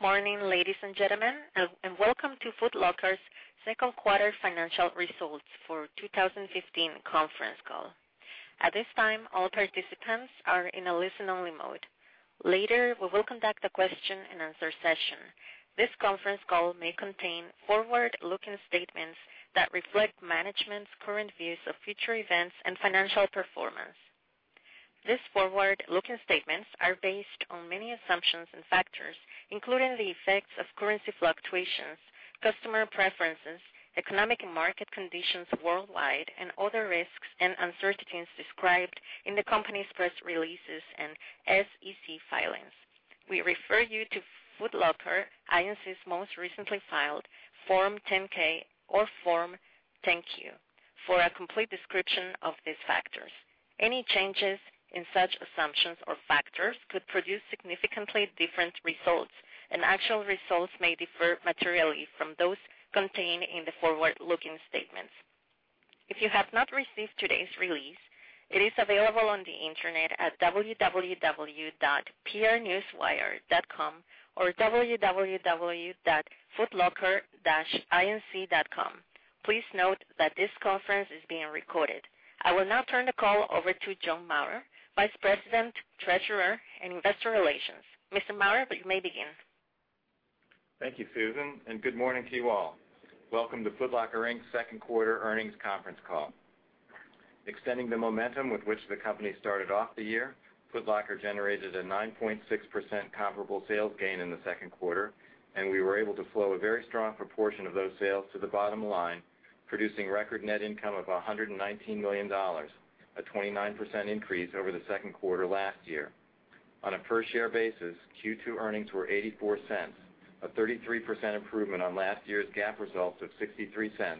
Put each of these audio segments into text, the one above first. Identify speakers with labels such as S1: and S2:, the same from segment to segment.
S1: Good morning, ladies and gentlemen, welcome to Foot Locker's second quarter financial results for 2015 conference call. At this time, all participants are in a listen-only mode. Later, we will conduct a question and answer session. This conference call may contain forward-looking statements that reflect management's current views of future events and financial performance. These forward-looking statements are based on many assumptions and factors, including the effects of currency fluctuations, customer preferences, economic and market conditions worldwide, and other risks and uncertainties described in the company's press releases and SEC filings. We refer you to Foot Locker, Inc.'s most recently filed Form 10-K or Form 10-Q for a complete description of these factors. Any changes in such assumptions or factors could produce significantly different results, and actual results may differ materially from those contained in the forward-looking statements. If you have not received today's release, it is available on the internet at www.prnewswire.com or www.footlocker-inc.com. Please note that this conference is being recorded. I will now turn the call over to John Maurer, Vice President, Treasurer, and Investor Relations. Mr. Maurer, you may begin.
S2: Thank you, Susan, good morning to you all. Welcome to Foot Locker, Inc.'s second quarter earnings conference call. Extending the momentum with which the company started off the year, Foot Locker generated a 9.6% comparable sales gain in the second quarter, and we were able to flow a very strong proportion of those sales to the bottom line, producing record net income of $119 million, a 29% increase over the second quarter last year. On a per-share basis, Q2 earnings were $0.84, a 33% improvement on last year's GAAP results of $0.63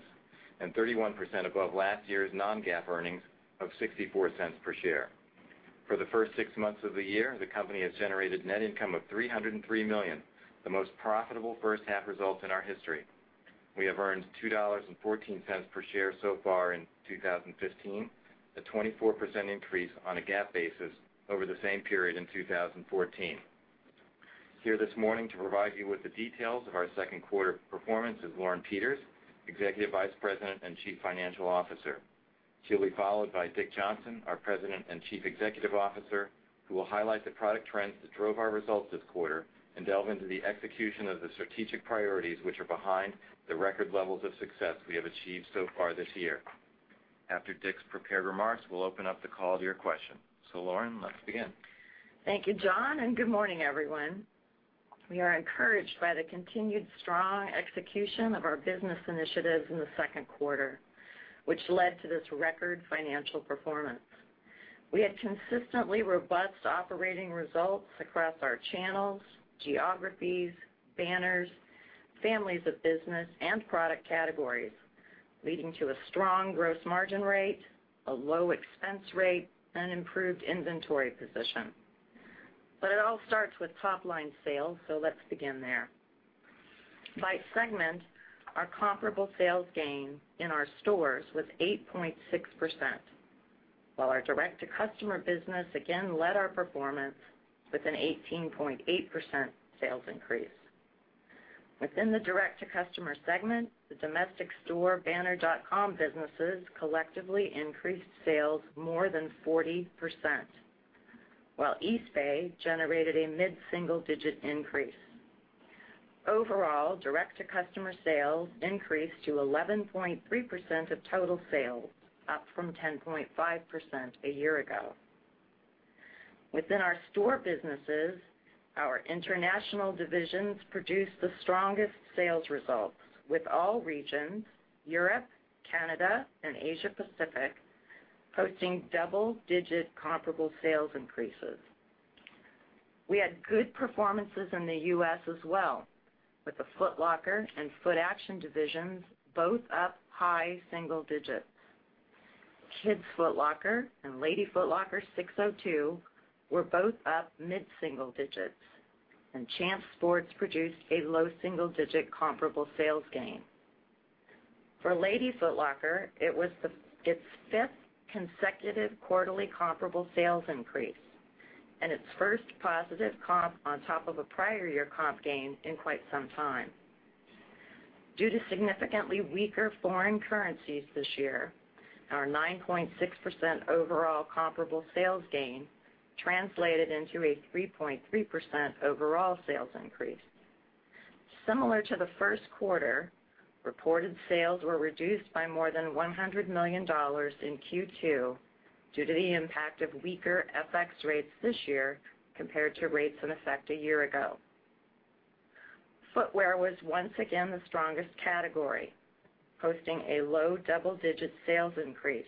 S2: and 31% above last year's non-GAAP earnings of $0.64 per share. For the first six months of the year, the company has generated net income of $303 million, the most profitable first half results in our history. We have earned $2.14 per share so far in 2015, a 24% increase on a GAAP basis over the same period in 2014. Here this morning to provide you with the details of our second quarter performance is Lauren Peters, Executive Vice President and Chief Financial Officer. She'll be followed by Richard Johnson, our President and Chief Executive Officer, who will highlight the product trends that drove our results this quarter and delve into the execution of the strategic priorities which are behind the record levels of success we have achieved so far this year. After Dick's prepared remarks, we'll open up the call to your questions. Lauren, let's begin.
S3: Thank you, John, and good morning, everyone. We are encouraged by the continued strong execution of our business initiatives in the second quarter, which led to this record financial performance. We had consistently robust operating results across our channels, geographies, banners, families of business, and product categories, leading to a strong gross margin rate, a low expense rate, and improved inventory position. It all starts with top-line sales, let's begin there. By segment, our comparable sales gain in our stores was 8.6%, while our direct-to-customer business again led our performance with an 18.8% sales increase. Within the direct-to-customer segment, the domestic store banner.com businesses collectively increased sales more than 40%, while Eastbay generated a mid-single-digit increase. Overall, direct-to-customer sales increased to 11.3% of total sales, up from 10.5% a year ago. Within our store businesses, our international divisions produced the strongest sales results, with all regions, Europe, Canada, and Asia-Pacific, posting double-digit comparable sales increases. We had good performances in the U.S. as well, with the Foot Locker and Footaction divisions both up high single digits. Kids Foot Locker and Lady Foot Locker SIX:02 were both up mid-single digits, and Champs Sports produced a low double-digit comparable sales gain. For Lady Foot Locker, it was its fifth consecutive quarterly comparable sales increase and its first positive comp on top of a prior year comp gain in quite some time. Due to significantly weaker foreign currencies this year, our 9.6% overall comparable sales gain translated into a 3.3% overall sales increase. Similar to the first quarter, reported sales were reduced by more than $100 million in Q2 due to the impact of weaker FX rates this year compared to rates in effect a year ago. Footwear was once again the strongest category, posting a low double-digit sales increase,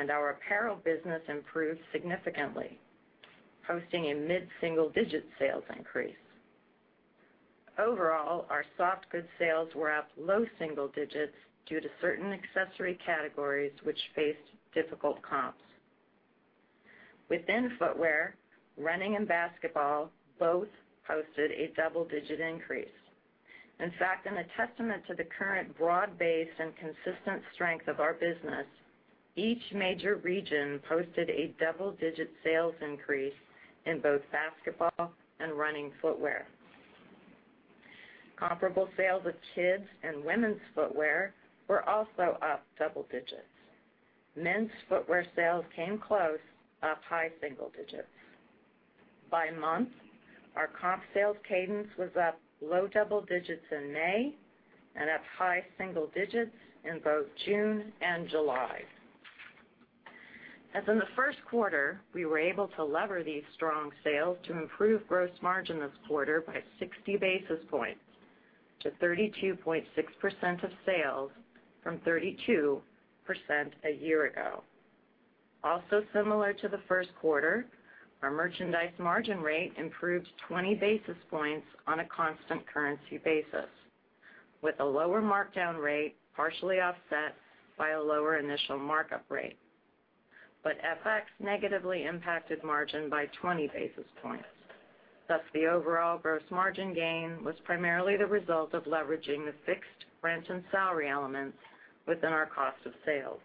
S3: and our apparel business improved significantly, posting a mid-single-digit sales increase. Overall, our soft goods sales were up low single digits due to certain accessory categories which faced difficult comps. Within footwear, running and basketball both posted a double-digit increase. In fact, in a testament to the current broad-based and consistent strength of our business, each major region posted a double-digit sales increase in both basketball and running footwear. Comparable sales of kids' and women's footwear were also up double digits. Men's footwear sales came close, up high single digits. By month, our comp sales cadence was up low double digits in May and up high single digits in both June and July. As in the first quarter, we were able to lever these strong sales to improve gross margin this quarter by 60 basis points to 32.6% of sales from 32% a year ago. Also similar to the first quarter, our merchandise margin rate improved 20 basis points on a constant currency basis, with a lower markdown rate partially offset by a lower initial markup rate. FX negatively impacted margin by 20 basis points. The overall gross margin gain was primarily the result of leveraging the fixed rent and salary elements within our cost of sales.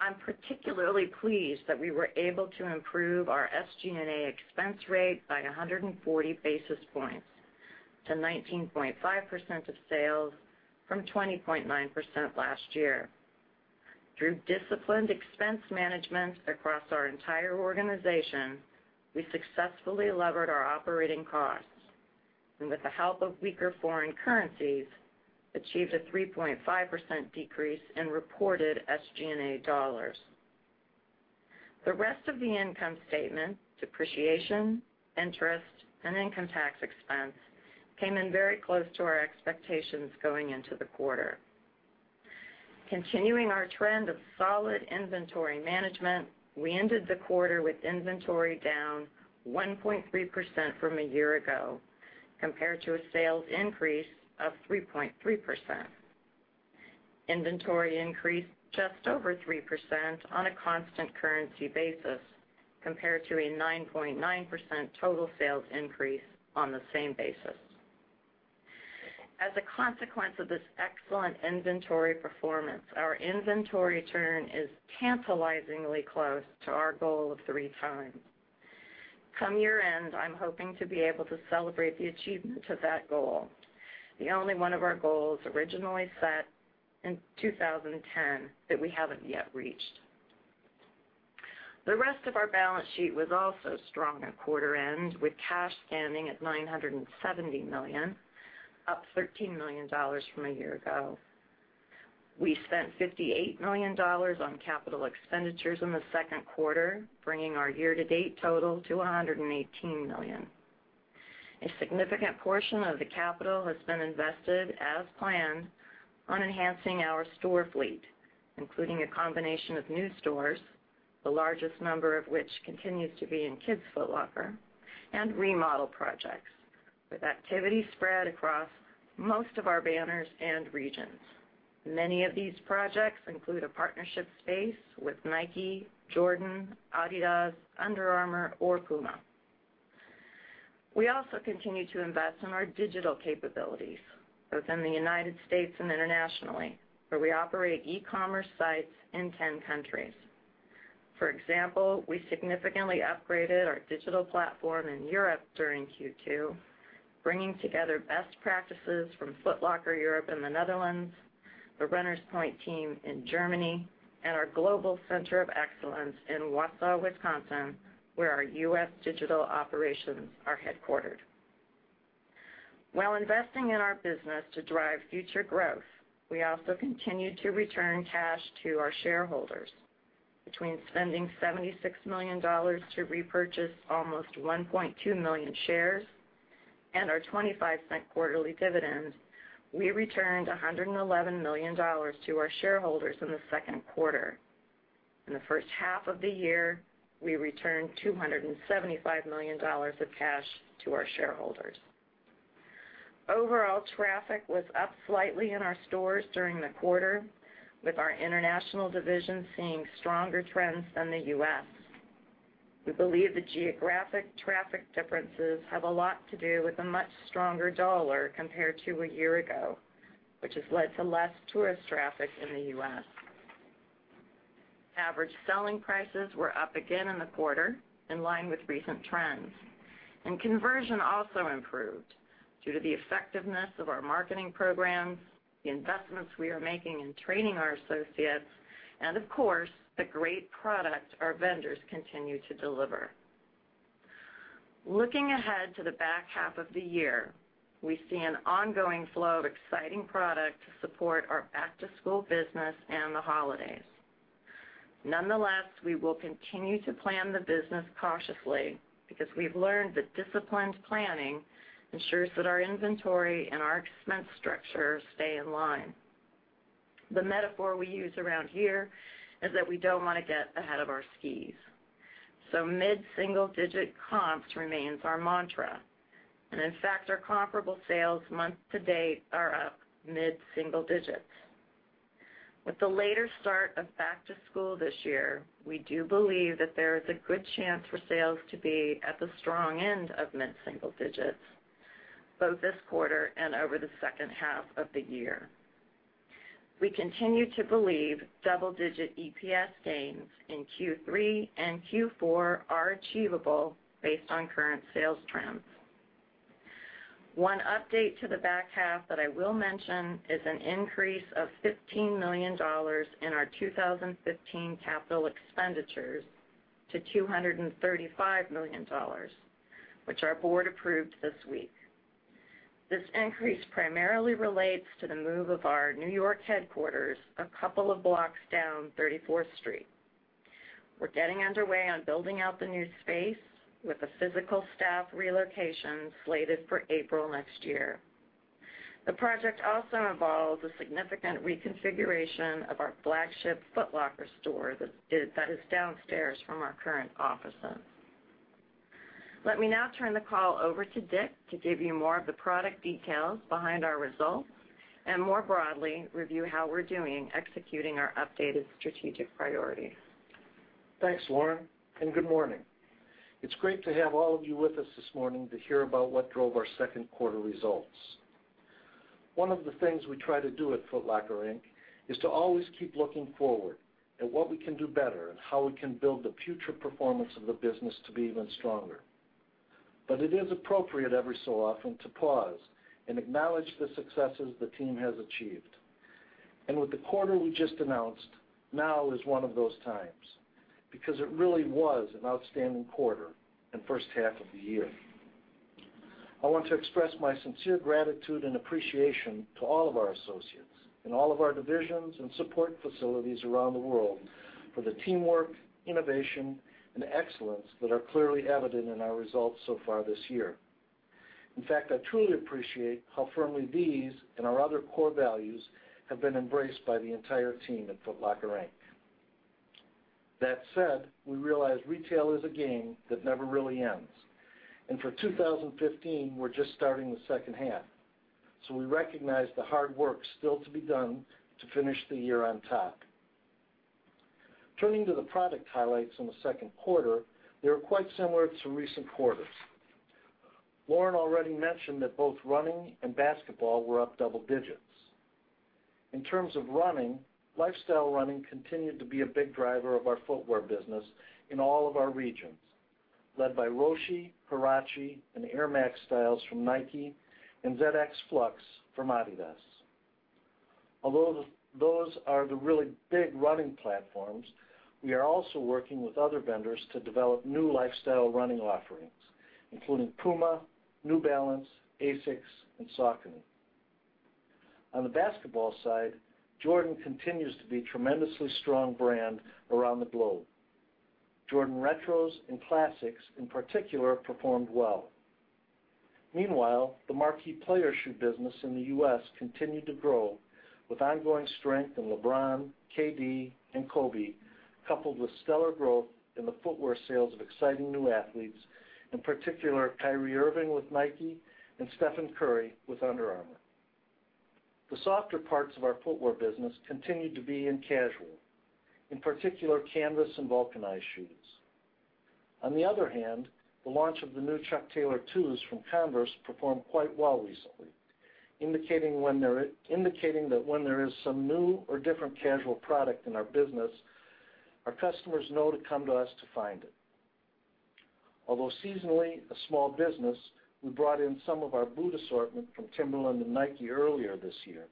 S3: I'm particularly pleased that we were able to improve our SG&A expense rate by 140 basis points to 19.5% of sales from 20.9% last year. Through disciplined expense management across our entire organization, we successfully levered our operating costs, and with the help of weaker foreign currencies, achieved a 3.5% decrease in reported SG&A dollars. The rest of the income statement, depreciation, interest, and income tax expense, came in very close to our expectations going into the quarter. Continuing our trend of solid inventory management, we ended the quarter with inventory down 1.3% from a year ago, compared to a sales increase of 3.3%. Inventory increased just over 3% on a constant currency basis, compared to a 9.9% total sales increase on the same basis. As a consequence of this excellent inventory performance, our inventory turn is tantalizingly close to our goal of three times. Come year-end, I'm hoping to be able to celebrate the achievement of that goal, the only one of our goals originally set in 2010 that we haven't yet reached. The rest of our balance sheet was also strong at quarter end, with cash standing at $970 million, up $13 million from a year ago. We spent $58 million on capital expenditures in the second quarter, bringing our year-to-date total to $118 million. A significant portion of the capital has been invested, as planned, on enhancing our store fleet, including a combination of new stores, the largest number of which continues to be in Kids' Foot Locker, and remodel projects, with activity spread across most of our banners and regions. Many of these projects include a partnership space with Nike, Jordan, Adidas, Under Armour, or Puma. We also continue to invest in our digital capabilities both in the U.S. and internationally, where we operate e-commerce sites in 10 countries. For example, we significantly upgraded our digital platform in Europe during Q2, bringing together best practices from Foot Locker Europe and the Netherlands, the Runners Point team in Germany, and our global center of excellence in Wausau, Wisconsin, where our U.S. digital operations are headquartered. While investing in our business to drive future growth, we also continue to return cash to our shareholders. Between spending $76 million to repurchase almost 1.2 million shares and our $0.25 quarterly dividend, we returned $111 million to our shareholders in the second quarter. In the first half of the year, we returned $275 million of cash to our shareholders. Overall traffic was up slightly in our stores during the quarter, with our international division seeing stronger trends than the U.S. We believe the geographic traffic differences have a lot to do with the much stronger dollar compared to a year ago, which has led to less tourist traffic in the U.S. Average selling prices were up again in the quarter, in line with recent trends. Conversion also improved due to the effectiveness of our marketing programs, the investments we are making in training our associates, and of course, the great product our vendors continue to deliver. Looking ahead to the back half of the year, we see an ongoing flow of exciting product to support our back-to-school business and the holidays. Nonetheless, we will continue to plan the business cautiously because we've learned that disciplined planning ensures that our inventory and our expense structure stay in line. The metaphor we use around here is that we don't want to get ahead of our skis. Mid-single-digit comps remains our mantra. In fact, our comparable sales month-to-date are up mid-single digits. With the later start of back to school this year, we do believe that there is a good chance for sales to be at the strong end of mid-single digits, both this quarter and over the second half of the year. We continue to believe double-digit EPS gains in Q3 and Q4 are achievable based on current sales trends. One update to the back half that I will mention is an increase of $15 million in our 2015 capital expenditures to $235 million, which our board approved this week. This increase primarily relates to the move of our New York headquarters a couple of blocks down 34th Street. We're getting underway on building out the new space with a physical staff relocation slated for April next year. The project also involves a significant reconfiguration of our flagship Foot Locker store that is downstairs from our current offices. Let me now turn the call over to Dick to give you more of the product details behind our results and more broadly review how we're doing executing our updated strategic priorities.
S4: Thanks, Lauren, and good morning. It's great to have all of you with us this morning to hear about what drove our second quarter results. One of the things we try to do at Foot Locker, Inc. is to always keep looking forward at what we can do better and how we can build the future performance of the business to be even stronger. It is appropriate every so often to pause and acknowledge the successes the team has achieved. With the quarter we just announced, now is one of those times, because it really was an outstanding quarter and first half of the year. I want to express my sincere gratitude and appreciation to all of our associates in all of our divisions and support facilities around the world for the teamwork, innovation, and excellence that are clearly evident in our results so far this year. In fact, I truly appreciate how firmly these and our other core values have been embraced by the entire team at Foot Locker, Inc. That said, we realize retail is a game that never really ends. For 2015, we're just starting the second half. We recognize the hard work still to be done to finish the year on top. Turning to the product highlights on the second quarter, they were quite similar to recent quarters. Lauren already mentioned that both running and basketball were up double digits. In terms of running, lifestyle running continued to be a big driver of our footwear business in all of our regions, led by Roshe, Huarache, and Air Max styles from Nike and ZX Flux from adidas. Although those are the really big running platforms, we are also working with other vendors to develop new lifestyle running offerings, including Puma, New Balance, ASICS, and Saucony. On the basketball side, Jordan continues to be a tremendously strong brand around the globe. Jordan retros and classics, in particular, performed well. Meanwhile, the marquee player shoe business in the U.S. continued to grow with ongoing strength in LeBron, KD, and Kobe, coupled with stellar growth in the footwear sales of exciting new athletes, in particular, Kyrie Irving with Nike and Stephen Curry with Under Armour. The softer parts of our footwear business continued to be in casual, in particular, canvas and vulcanized shoes. The launch of the new Chuck Taylor 2s from Converse performed quite well recently, indicating that when there is some new or different casual product in our business, our customers know to come to us to find it. Although seasonally a small business, we brought in some of our boot assortment from Timberland and Nike earlier this year,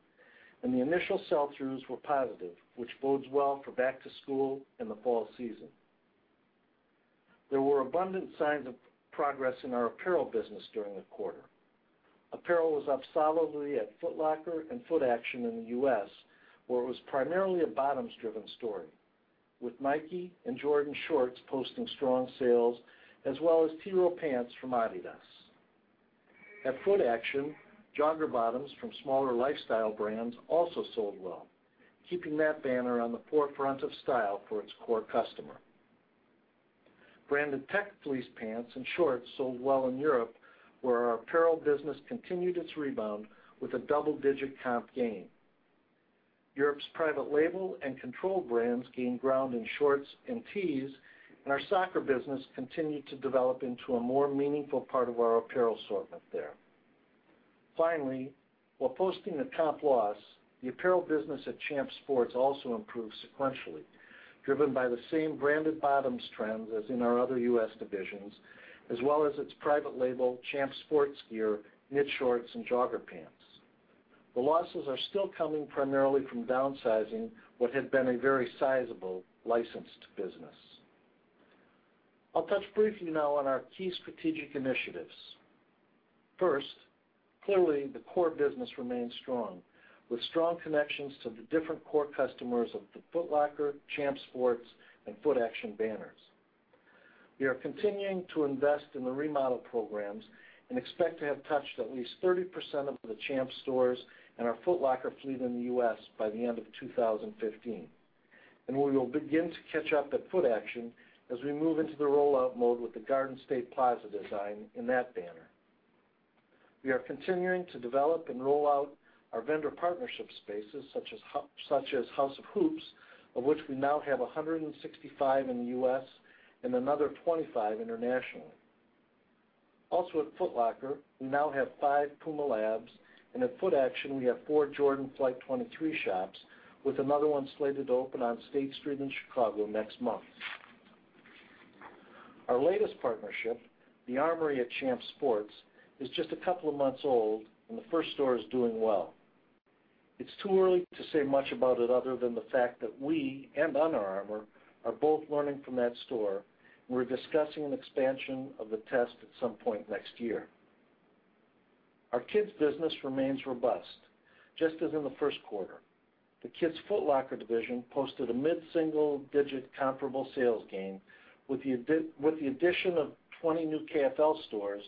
S4: and the initial sell-throughs were positive, which bodes well for back to school and the fall season. There were abundant signs of progress in our apparel business during the quarter. Apparel was up solidly at Foot Locker and Footaction in the U.S., where it was primarily a bottoms-driven story, with Nike and Jordan shorts posting strong sales, as well as Tiro pants from Adidas. At Footaction, jogger bottoms from smaller lifestyle brands also sold well, keeping that banner on the forefront of style for its core customer. Branded tech fleece pants and shorts sold well in Europe, where our apparel business continued its rebound with a double-digit comp gain. Europe's private label and control brands gained ground in shorts and tees, and our soccer business continued to develop into a more meaningful part of our apparel assortment there. While posting a comp loss, the apparel business at Champs Sports also improved sequentially, driven by the same branded bottoms trends as in our other U.S. divisions, as well as its private label, Champs Sports Gear, knit shorts, and jogger pants. The losses are still coming primarily from downsizing what had been a very sizable licensed business. I'll touch briefly now on our key strategic initiatives. Clearly, the core business remains strong, with strong connections to the different core customers of the Foot Locker, Champs Sports, and Footaction banners. We are continuing to invest in the remodel programs and expect to have touched at least 30% of the Champs stores and our Foot Locker fleet in the U.S. by the end of 2015. We will begin to catch up at Footaction as we move into the rollout mode with the Garden State Plaza design in that banner. We are continuing to develop and roll out our vendor partnership spaces such as House of Hoops, of which we now have 165 in the U.S. and another 25 internationally. Also at Foot Locker, we now have five PUMA Labs, and at Footaction, we have four Jordan Flight 23 shops, with another one slated to open on State Street in Chicago next month. Our latest partnership, The ARMOURY at Champs Sports, is just a couple of months old and the first store is doing well. It's too early to say much about it other than the fact that we and Under Armour are both learning from that store. We're discussing an expansion of the test at some point next year. Our kids' business remains robust, just as in the first quarter. The Kids Foot Locker division posted a mid-single digit comparable sales gain. With the addition of 20 new KFL stores,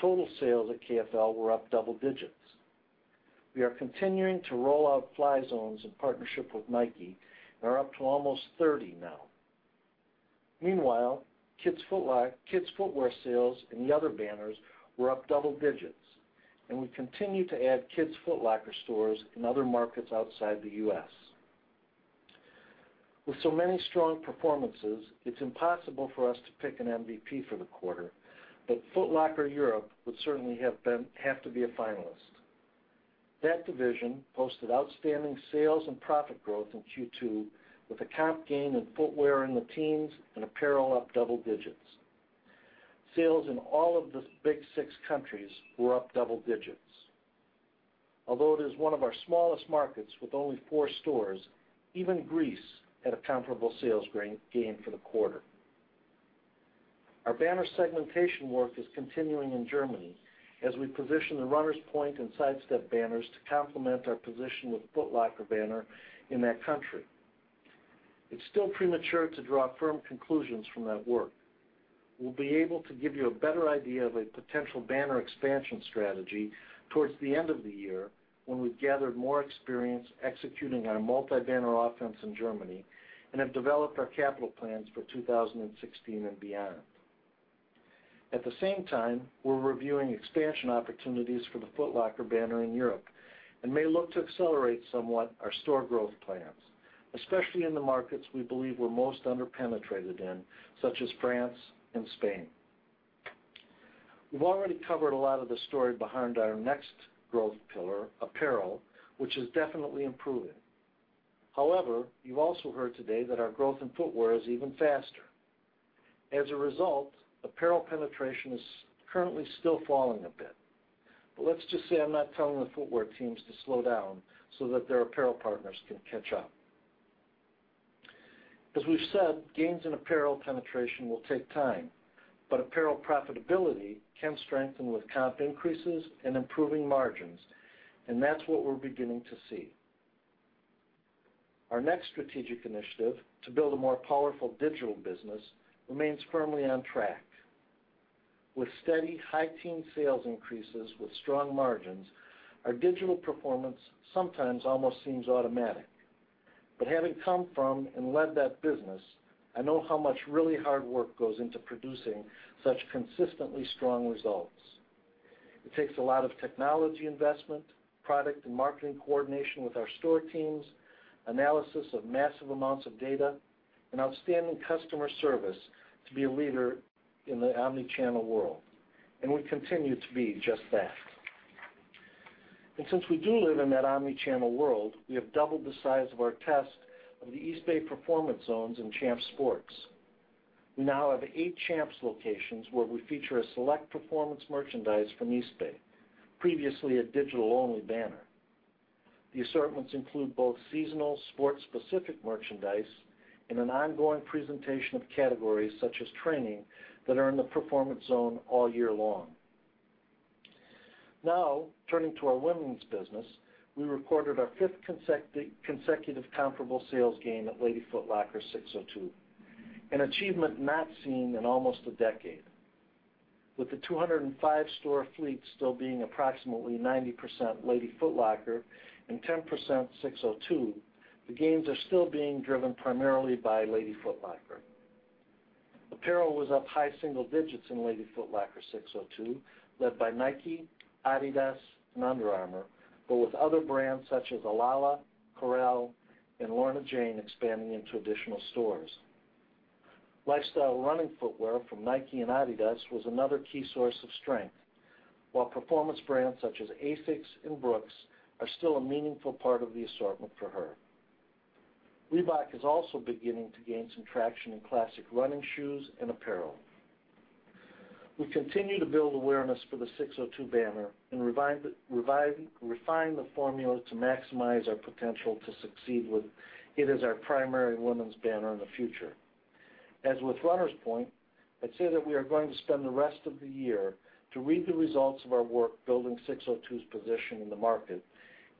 S4: total sales at KFL were up double digits. We are continuing to roll out Fly Zones in partnership with Nike and are up to almost 30 now. Meanwhile, kids' footwear sales in the other banners were up double digits, and we continue to add Kids Foot Locker stores in other markets outside the U.S. With so many strong performances, it's impossible for us to pick an MVP for the quarter, but Foot Locker Europe would certainly have to be a finalist. That division posted outstanding sales and profit growth in Q2 with a comp gain in footwear in the teens and apparel up double digits. Sales in all of the big six countries were up double digits. Although it is one of our smallest markets with only four stores, even Greece had a comparable sales gain for the quarter. Our banner segmentation work is continuing in Germany as we position the Runners Point and Sidestep banners to complement our position with the Foot Locker banner in that country. It's still premature to draw firm conclusions from that work. We'll be able to give you a better idea of a potential banner expansion strategy towards the end of the year, when we've gathered more experience executing on a multi-banner offense in Germany and have developed our capital plans for 2016 and beyond. At the same time, we're reviewing expansion opportunities for the Foot Locker banner in Europe and may look to accelerate somewhat our store growth plans, especially in the markets we believe we're most under-penetrated in, such as France and Spain. We've already covered a lot of the story behind our next growth pillar, apparel, which is definitely improving. You've also heard today that our growth in footwear is even faster. As a result, apparel penetration is currently still falling a bit. Let's just say I'm not telling the footwear teams to slow down so that their apparel partners can catch up. As we've said, gains in apparel penetration will take time, apparel profitability can strengthen with comp increases and improving margins, and that's what we're beginning to see. Our next strategic initiative, to build a more powerful digital business, remains firmly on track. With steady high teen sales increases with strong margins, our digital performance sometimes almost seems automatic. Having come from and led that business, I know how much really hard work goes into producing such consistently strong results. It takes a lot of technology investment, product and marketing coordination with our store teams, analysis of massive amounts of data, outstanding customer service to be a leader in the omnichannel world. We continue to be just that. Since we do live in that omnichannel world, we have doubled the size of our test of the Eastbay Performance zones in Champs Sports. We now have eight Champs locations where we feature a select performance merchandise from Eastbay, previously a digital-only banner. The assortments include both seasonal sports-specific merchandise and an ongoing presentation of categories such as training that are in the performance zone all year long. Turning to our women's business, we reported our fifth consecutive comparable sales gain at Lady Foot Locker/SIX:02, an achievement not seen in almost a decade. With the 205-store fleet still being approximately 90% Lady Foot Locker and 10% SIX:02, the gains are still being driven primarily by Lady Foot Locker. Apparel was up high single digits in Lady Foot Locker/SIX:02, led by Nike, Adidas, and Under Armour, but with other brands such as ALALA, Koral, and Lorna Jane expanding into additional stores. Lifestyle running footwear from Nike and Adidas was another key source of strength. While performance brands such as ASICS and Brooks are still a meaningful part of the assortment for her. Reebok is also beginning to gain some traction in classic running shoes and apparel. We continue to build awareness for the SIX:02 banner and refine the formula to maximize our potential to succeed with it as our primary women's banner in the future. As with Runners Point, I'd say that we are going to spend the rest of the year to read the results of our work building SIX:02's position in the market,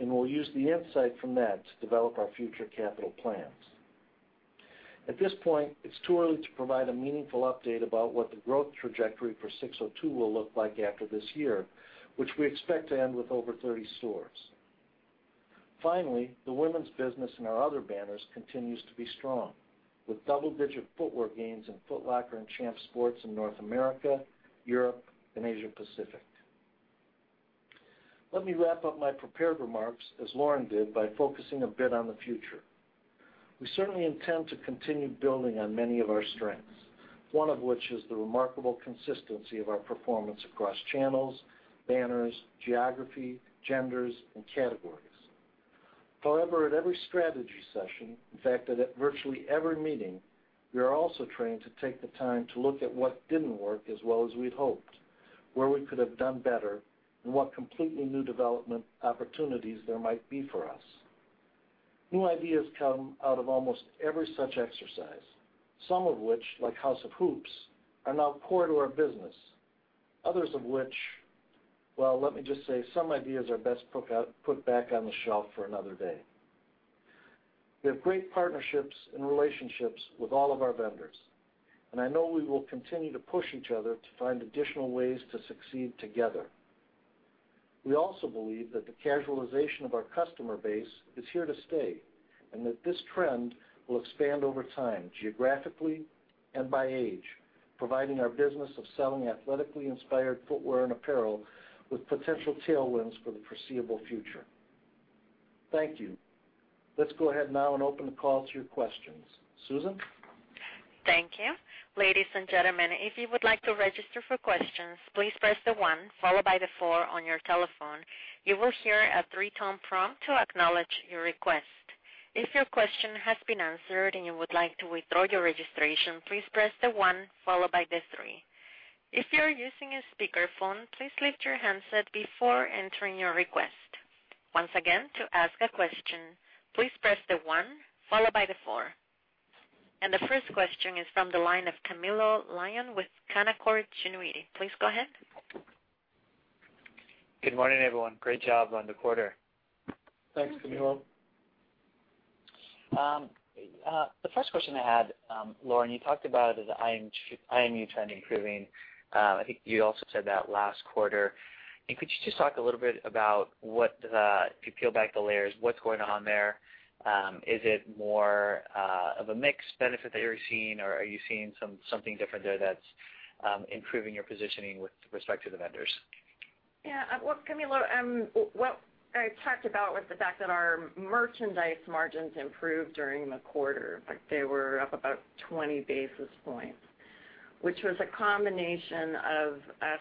S4: and we'll use the insight from that to develop our future capital plans. At this point, it's too early to provide a meaningful update about what the growth trajectory for SIX:02 will look like after this year, which we expect to end with over 30 stores. Finally, the women's business in our other banners continues to be strong, with double-digit footwear gains in Foot Locker and Champs Sports in North America, Europe, and Asia-Pacific. Let me wrap up my prepared remarks, as Lauren did, by focusing a bit on the future. We certainly intend to continue building on many of our strengths, one of which is the remarkable consistency of our performance across channels, banners, geography, genders, and categories. At every strategy session, in fact, at virtually every meeting, we are also trained to take the time to look at what didn't work as well as we'd hoped, where we could have done better, and what completely new development opportunities there might be for us. New ideas come out of almost every such exercise, some of which, like House of Hoops, are now core to our business. Others of which, well, let me just say, some ideas are best put back on the shelf for another day. We have great partnerships and relationships with all of our vendors, I know we will continue to push each other to find additional ways to succeed together. We also believe that the casualization of our customer base is here to stay, that this trend will expand over time, geographically and by age, providing our business of selling athletically inspired footwear and apparel with potential tailwinds for the foreseeable future. Thank you. Let's go ahead now and open the call to your questions. Susan?
S1: Thank you. Ladies and gentlemen, if you would like to register for questions, please press the one followed by the four on your telephone. You will hear a three-tone prompt to acknowledge your request. If your question has been answered and you would like to withdraw your registration, please press the one followed by the three. If you are using a speakerphone, please lift your handset before entering your request. Once again, to ask a question, please press the one followed by the four. The first question is from the line of Camilo Lyon with Canaccord Genuity. Please go ahead.
S5: Good morning, everyone. Great job on the quarter.
S4: Thanks, Camilo.
S5: The first question I had, Lauren, you talked about is the IMU trend improving. I think you also said that last quarter. Could you just talk a little bit about what if you peel back the layers, what's going on there? Is it more of a mix benefit that you're seeing, or are you seeing something different there that's improving your positioning with respect to the vendors?
S3: Well, Camilo, what I talked about was the fact that our merchandise margins improved during the quarter. They were up about 20 basis points, which was a combination of us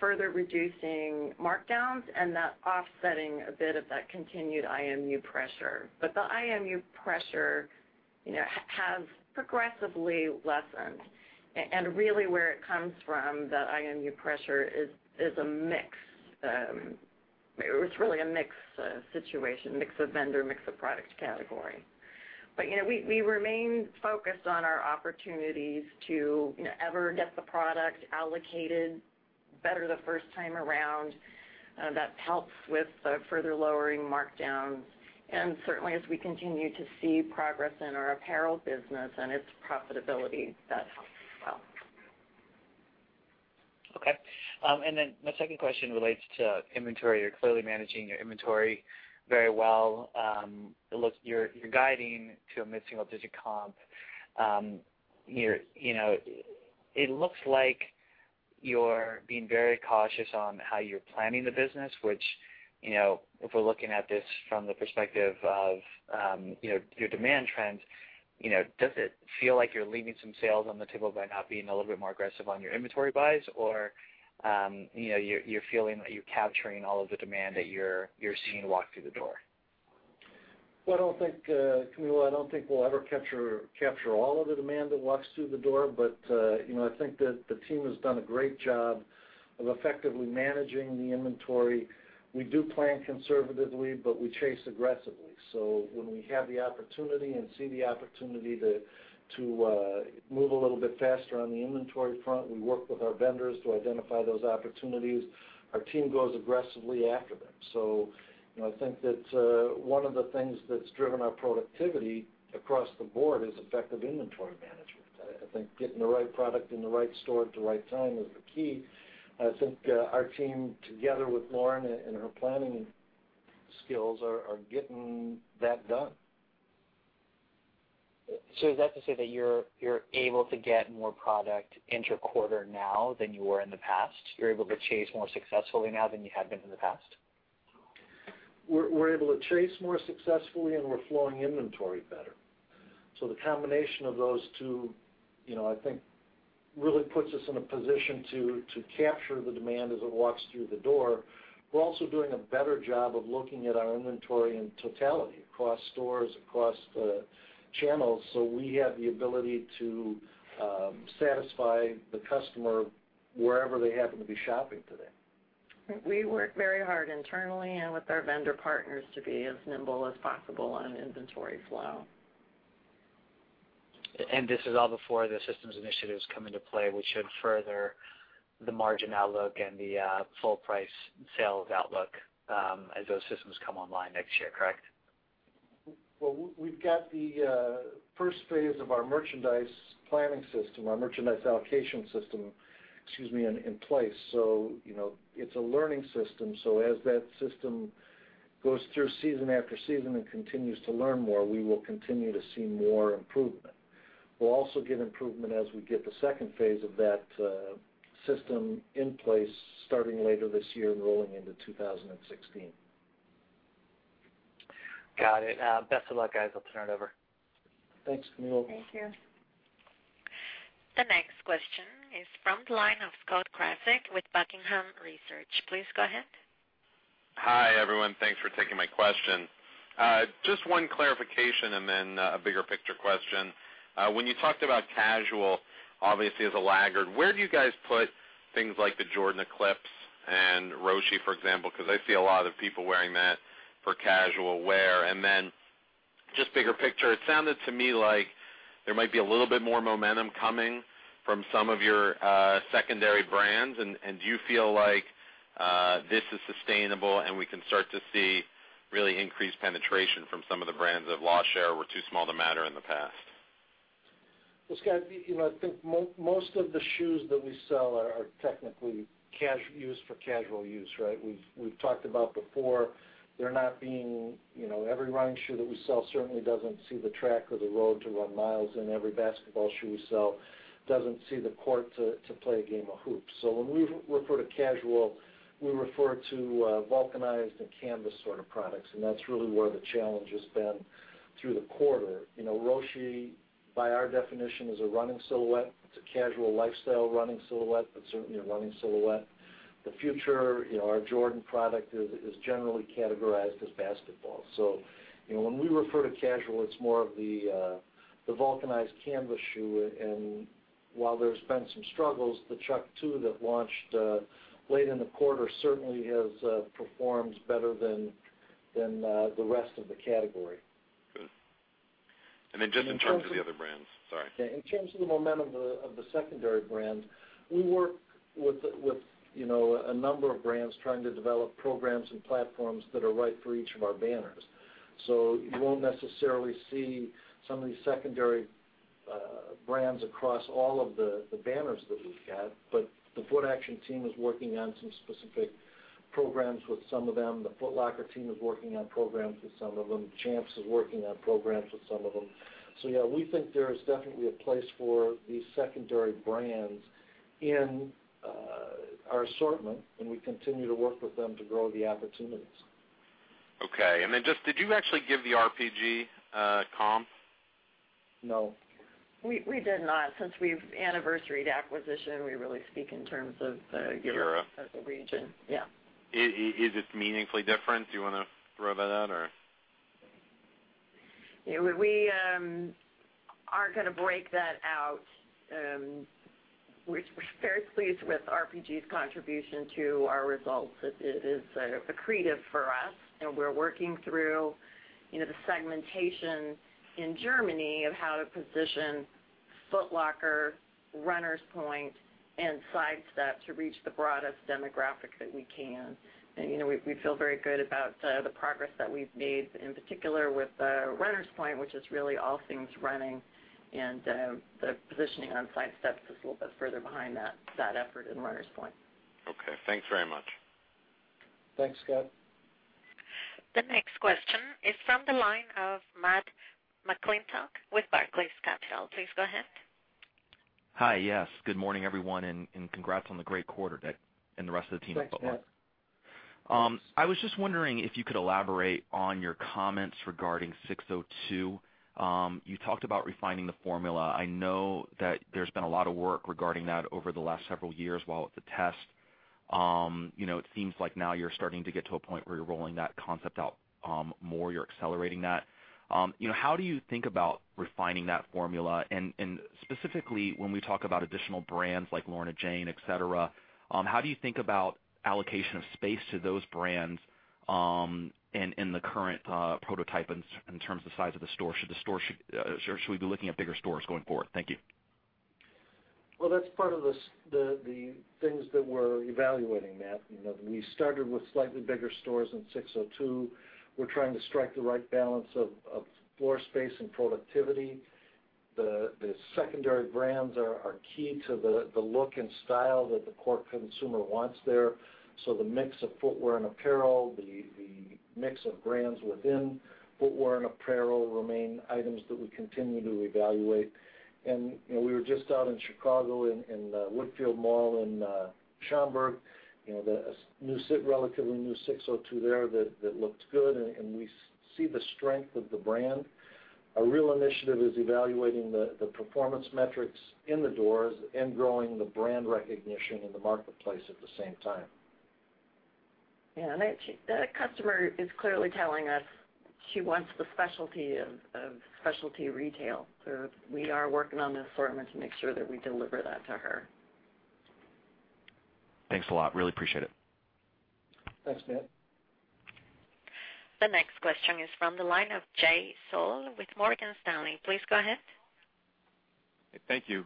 S3: further reducing markdowns and that offsetting a bit of that continued IMU pressure. The IMU pressure has progressively lessened. Really where it comes from, that IMU pressure, it was really a mix situation, mix of vendor, mix of product category. We remain focused on our opportunities to ever get the product allocated better the first time around. That helps with the further lowering markdowns, and certainly as we continue to see progress in our apparel business and its profitability, that helps as well.
S5: Okay. My second question relates to inventory. You're clearly managing your inventory very well. You're guiding to a mid-single digit comp. It looks like you're being very cautious on how you're planning the business, which, if we're looking at this from the perspective of your demand trends, does it feel like you're leaving some sales on the table by not being a little bit more aggressive on your inventory buys? You're feeling that you're capturing all of the demand that you're seeing walk through the door?
S4: Well, Camilo, I don't think we'll ever capture all of the demand that walks through the door. I think that the team has done a great job of effectively managing the inventory. We do plan conservatively, but we chase aggressively. When we have the opportunity and see the opportunity to move a little bit faster on the inventory front, we work with our vendors to identify those opportunities. Our team goes aggressively after them. I think that one of the things that's driven our productivity across the board is effective inventory management. I think getting the right product in the right store at the right time is the key. I think our team, together with Lauren and her planning skills, are getting that done.
S5: Is that to say that you're able to get more product inter-quarter now than you were in the past? You're able to chase more successfully now than you had been in the past?
S4: We're able to chase more successfully, we're flowing inventory better. The combination of those two, I think, really puts us in a position to capture the demand as it walks through the door. We're also doing a better job of looking at our inventory in totality across stores, across the channels. We have the ability to satisfy the customer wherever they happen to be shopping today.
S3: We work very hard internally and with our vendor partners to be as nimble as possible on inventory flow.
S5: This is all before the systems initiatives come into play, which should further the margin outlook and the full price sales outlook as those systems come online next year, correct?
S4: Well, we've got the first phase of our merchandise planning system, our merchandise allocation system, excuse me, in place. It's a learning system. As that system goes through season after season and continues to learn more, we will continue to see more improvement. We'll also get improvement as we get the second phase of that system in place starting later this year and rolling into 2016.
S5: Got it. Best of luck, guys. I'll turn it over.
S4: Thanks, Camilo.
S3: Thank you.
S1: The next question is from the line of Scott Krasik with Buckingham Research. Please go ahead.
S6: Hi, everyone. Thanks for taking my question. Just one clarification and then a bigger picture question. When you talked about casual, obviously, as a laggard, where do you guys put things like the Jordan Eclipse and Roshe, for example, because I see a lot of people wearing that for casual wear? Just bigger picture, it sounded to me like there might be a little bit more momentum coming from some of your secondary brands, and do you feel like this is sustainable, and we can start to see really increased penetration from some of the brands that have lost share or were too small to matter in the past?
S4: Well, Scott, I think most of the shoes that we sell are technically used for casual use, right? We've talked about before, every running shoe that we sell certainly doesn't see the track or the road to run miles in. Every basketball shoe we sell doesn't see the court to play a game of hoops. When we refer to casual, we refer to vulcanized and canvas sort of products, and that's really where the challenge has been through the quarter. Roshe, by our definition, is a running silhouette. It's a casual lifestyle running silhouette, but certainly a running silhouette. The Future, our Jordan product, is generally categorized as basketball. When we refer to casual, it's more of the vulcanized canvas shoe. While there's been some struggles, the Chuck 2 that launched late in the quarter certainly has performed better than the rest of the category.
S6: Good. Just in terms of the other brands, sorry.
S4: In terms of the momentum of the secondary brands, we work with a number of brands trying to develop programs and platforms that are right for each of our banners. You won't necessarily see some of these secondary brands across all of the banners that we've got, but the Footaction team is working on some specific programs with some of them. The Foot Locker team is working on programs with some of them. Champs is working on programs with some of them. Yeah, we think there is definitely a place for these secondary brands in our assortment, and we continue to work with them to grow the opportunities.
S6: Okay. Did you actually give the RPG comp?
S4: No.
S3: We did not. Since we've anniversaried acquisition, we really speak in terms of Europe.
S6: Europe
S3: as a region. Yeah.
S6: Is it meaningfully different? Do you want to throw that out, or?
S3: We aren't going to break that out. We're very pleased with RPG's contribution to our results. It is accretive for us, and we're working through the segmentation in Germany of how to position Foot Locker, Runners Point, and Sidestep to reach the broadest demographic that we can. We feel very good about the progress that we've made, in particular with Runners Point, which is really all things running, and the positioning on Sidestep is a little bit further behind that effort in Runners Point.
S6: Okay, thanks very much.
S4: Thanks, Scott.
S1: The next question is from the line of Matt McClintock with Barclays Capital. Please go ahead.
S7: Hi, yes. Good morning, everyone. Congrats on the great quarter, Dick and the rest of the team at Foot Locker.
S4: Thanks, Matt.
S7: I was just wondering if you could elaborate on your comments regarding SIX:02. You talked about refining the formula. I know that there's been a lot of work regarding that over the last several years while at the test. It seems like now you're starting to get to a point where you're rolling that concept out more. You're accelerating that. How do you think about refining that formula? Specifically, when we talk about additional brands like Lorna Jane, et cetera, how do you think about allocation of space to those brands in the current prototype in terms of the size of the store? Should we be looking at bigger stores going forward? Thank you.
S4: Well, that's part of the things that we're evaluating, Matt. We started with slightly bigger stores in SIX:02. We're trying to strike the right balance of floor space and productivity. The secondary brands are key to the look and style that the core consumer wants there. The mix of footwear and apparel, the mix of brands within footwear and apparel remain items that we continue to evaluate. We were just out in Chicago, in Woodfield Mall in Schaumburg. A relatively new SIX:02 there that looked good, and we see the strength of the brand. Our real initiative is evaluating the performance metrics in the doors and growing the brand recognition in the marketplace at the same time.
S3: Yeah, the customer is clearly telling us she wants the specialty of specialty retail. We are working on the assortment to make sure that we deliver that to her.
S7: Thanks a lot. Really appreciate it.
S4: Thanks, Matt.
S1: The next question is from the line of Jay Sole with Morgan Stanley. Please go ahead.
S8: Thank you.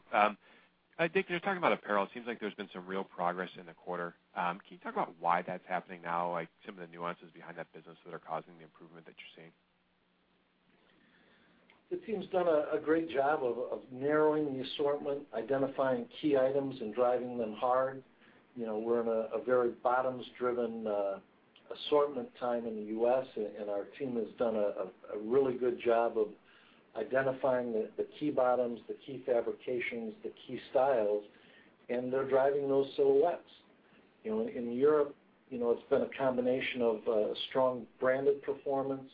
S8: Dick, you're talking about apparel. It seems like there's been some real progress in the quarter. Can you talk about why that's happening now, like some of the nuances behind that business that are causing the improvement that you're seeing?
S4: The team's done a great job of narrowing the assortment, identifying key items, and driving them hard. We're in a very bottoms-driven assortment time in the U.S. Our team has done a really good job of identifying the key bottoms, the key fabrications, the key styles, and they're driving those silhouettes. In Europe, it's been a combination of strong branded performance.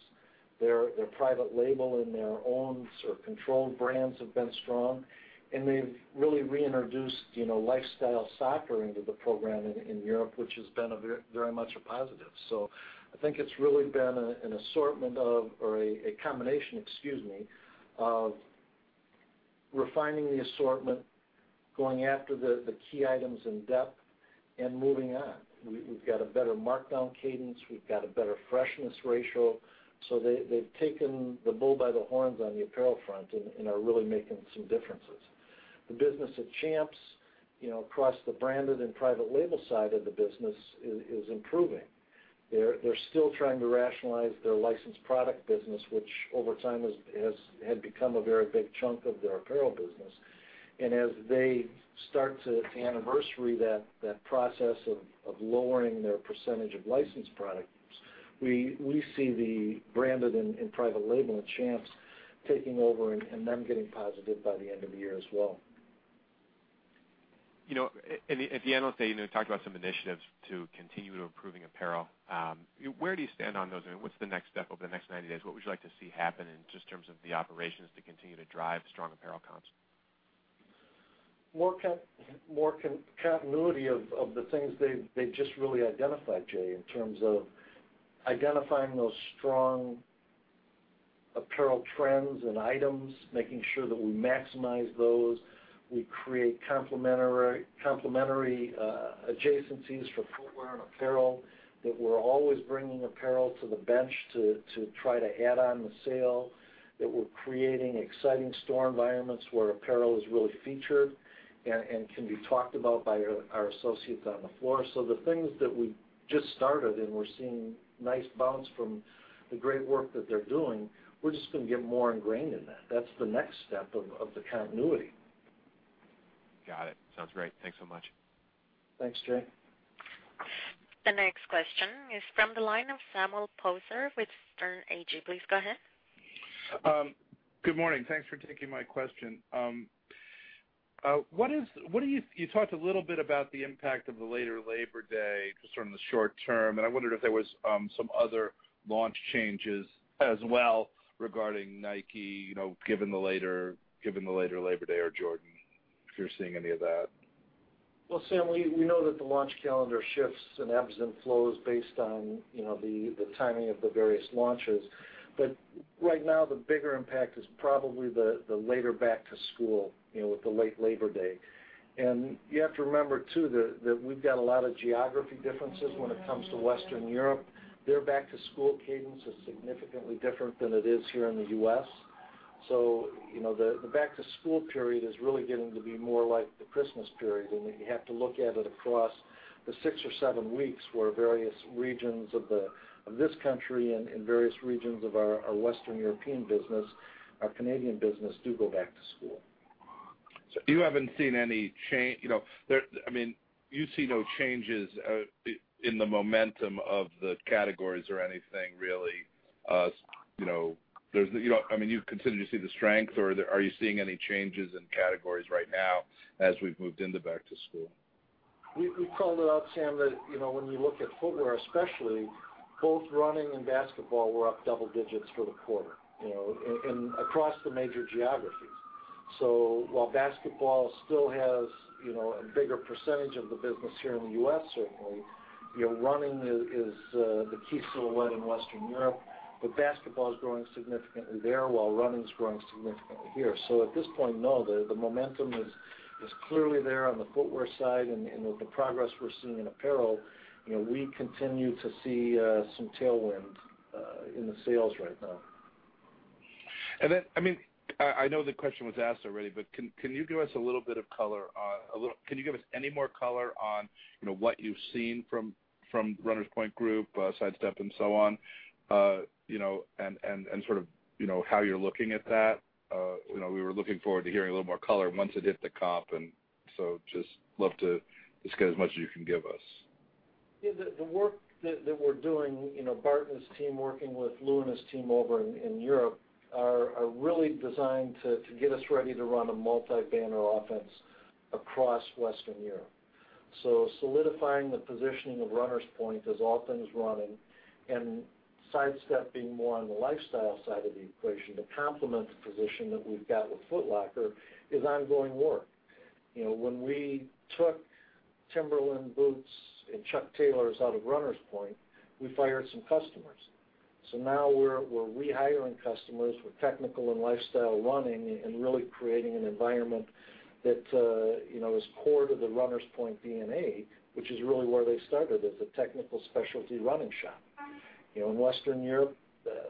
S4: Their private label and their own sort of controlled brands have been strong, and they've really reintroduced lifestyle softwear into the program in Europe, which has been very much a positive. I think it's really been an assortment or a combination, excuse me, of refining the assortment, going after the key items in depth and moving on. We've got a better markdown cadence. We've got a better freshness ratio. They've taken the bull by the horns on the apparel front and are really making some differences. The business at Champs across the branded and private label side of the business is improving. They're still trying to rationalize their licensed product business, which over time had become a very big chunk of their apparel business. As they start to anniversary that process of lowering their percentage of licensed products, we see the branded and private label at Champs taking over and them getting positive by the end of the year as well.
S8: At the analyst day, you talked about some initiatives to continue improving apparel. Where do you stand on those? What's the next step over the next 90 days? What would you like to see happen in just terms of the operations to continue to drive strong apparel comps?
S4: More continuity of the things they just really identified, Jay, in terms of identifying those strong apparel trends and items, making sure that we maximize those, we create complementary adjacencies for footwear and apparel, that we're always bringing apparel to the bench to try to add on the sale, that we're creating exciting store environments where apparel is really featured and can be talked about by our associates on the floor. The things that we just started and we're seeing nice bounce from the great work that they're doing, we're just going to get more ingrained in that. That's the next step of the continuity.
S8: Got it. Sounds great. Thanks so much.
S4: Thanks, Jay.
S1: The next question is from the line of Sam Poser with Sterne Agee. Please go ahead.
S9: Good morning. Thanks for taking my question. You talked a little bit about the impact of the later Labor Day, just from the short term. I wondered if there was some other launch changes as well regarding Nike, given the later Labor Day or Jordan, if you're seeing any of that.
S4: Well, Sam, we know that the launch calendar shifts and ebbs and flows based on the timing of the various launches. Right now, the bigger impact is probably the later back to school, with the late Labor Day. You have to remember, too, that we've got a lot of geography differences when it comes to Western Europe. Their back-to-school cadence is significantly different than it is here in the U.S. The back-to-school period is really getting to be more like the Christmas period. You have to look at it across the six or seven weeks where various regions of this country and various regions of our Western European business, our Canadian business, do go back to school.
S9: You haven't seen any change, you see no changes in the momentum of the categories or anything really. You continue to see the strength, are you seeing any changes in categories right now as we've moved into back to school?
S4: We called it out, Sam, that when you look at footwear, especially, both running and basketball were up double digits for the quarter, across the major geographies. While basketball still has a bigger percentage of the business here in the U.S. certainly, running is the key silhouette in Western Europe. Basketball is growing significantly there while running is growing significantly here. At this point, no, the momentum is clearly there on the footwear side and with the progress we're seeing in apparel, we continue to see some tailwind in the sales right now.
S9: I know the question was asked already, but can you give us any more color on what you've seen from Runners Point Group, Sidestep and so on, and sort of, how you're looking at that? We were looking forward to hearing a little more color once it hit the comp, love to get as much as you can give us.
S4: Yeah. The work that we're doing, Barton's team working with Lou and his team over in Europe, are really designed to get us ready to run a multi-banner offense across Western Europe. Solidifying the positioning of Runners Point as all things running and Sidestep being more on the lifestyle side of the equation to complement the position that we've got with Foot Locker is ongoing work. When we took Timberland boots and Chuck Taylors out of Runners Point, we fired some customers. Now we're rehiring customers with technical and lifestyle running and really creating an environment that is core to the Runners Point DNA, which is really where they started, as a technical specialty running shop. In Western Europe,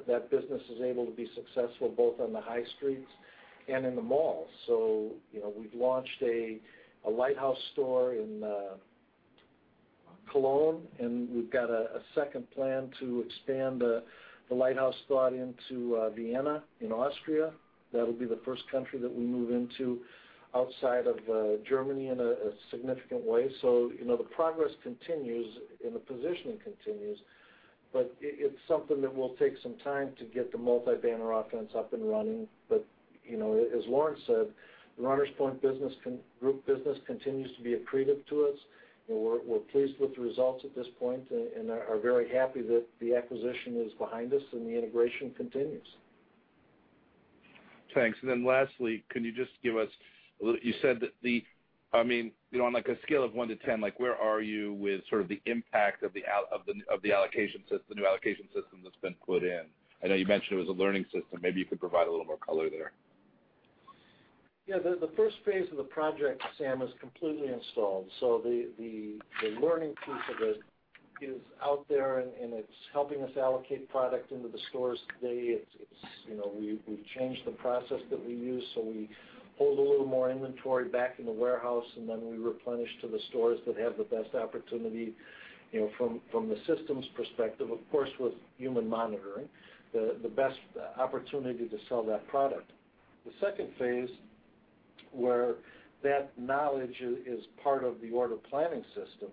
S4: that business is able to be successful both on the high streets and in the malls. We've launched a lighthouse store in Cologne, and we've got a 2nd plan to expand the lighthouse store into Vienna, in Austria. That'll be the 1st country that we move into outside of Germany in a significant way. The progress continues, and the positioning continues, it's something that will take some time to get the multi-banner offense up and running. As Lauren said, the Runners Point Group business continues to be accretive to us, and we're pleased with the results at this point, and are very happy that the acquisition is behind us and the integration continues.
S9: Thanks. Lastly, on a scale of one to 10, where are you with sort of the impact of the new allocation system that's been put in? I know you mentioned it was a learning system. Maybe you could provide a little more color there.
S4: Yeah. The first phase of the project, Sam, is completely installed. The learning piece of it is out there, and it's helping us allocate product into the stores today. We've changed the process that we use, so we hold a little more inventory back in the warehouse, and then we replenish to the stores that have the best opportunity, from the systems perspective, of course, with human monitoring, the best opportunity to sell that product. The second phase, where that knowledge is part of the order planning system,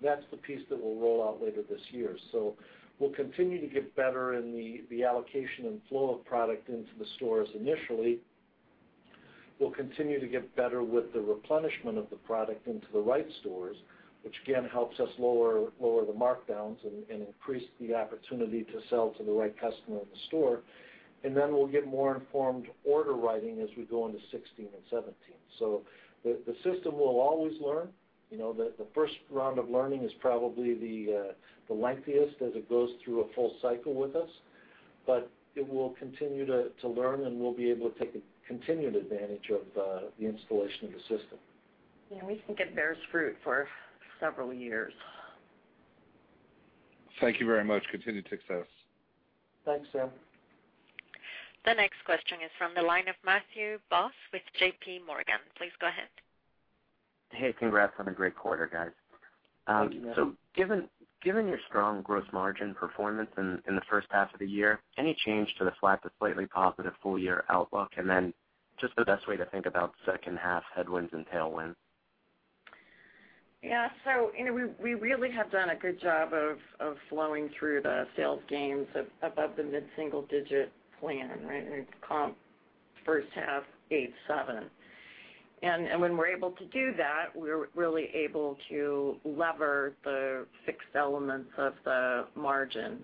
S4: that's the piece that we'll roll out later this year. We'll continue to get better in the allocation and flow of product into the stores initially. We'll continue to get better with the replenishment of the product into the right stores, which again helps us lower the markdowns and increase the opportunity to sell to the right customer in the store. We'll get more informed order writing as we go into 2016 and 2017. The system will always learn. The first round of learning is probably the lengthiest as it goes through a full cycle with us. It will continue to learn, and we'll be able to take a continued advantage of the installation of the system.
S3: Yeah. We think it bears fruit for several years.
S9: Thank you very much. Continued success.
S4: Thanks, Sam.
S1: The next question is from the line of Matthew Boss with J.P. Morgan. Please go ahead.
S10: Hey, congrats on a great quarter, guys.
S4: Thank you, Matt.
S10: Given your strong gross margin performance in the first half of the year, any change to the flat to slightly positive full-year outlook? Just the best way to think about second half headwinds and tailwinds.
S3: Yeah. We really have done a good job of flowing through the sales gains above the mid-single-digit plan, right at comp first-half 8.7%. When we're able to do that, we're really able to lever the fixed elements of the margin.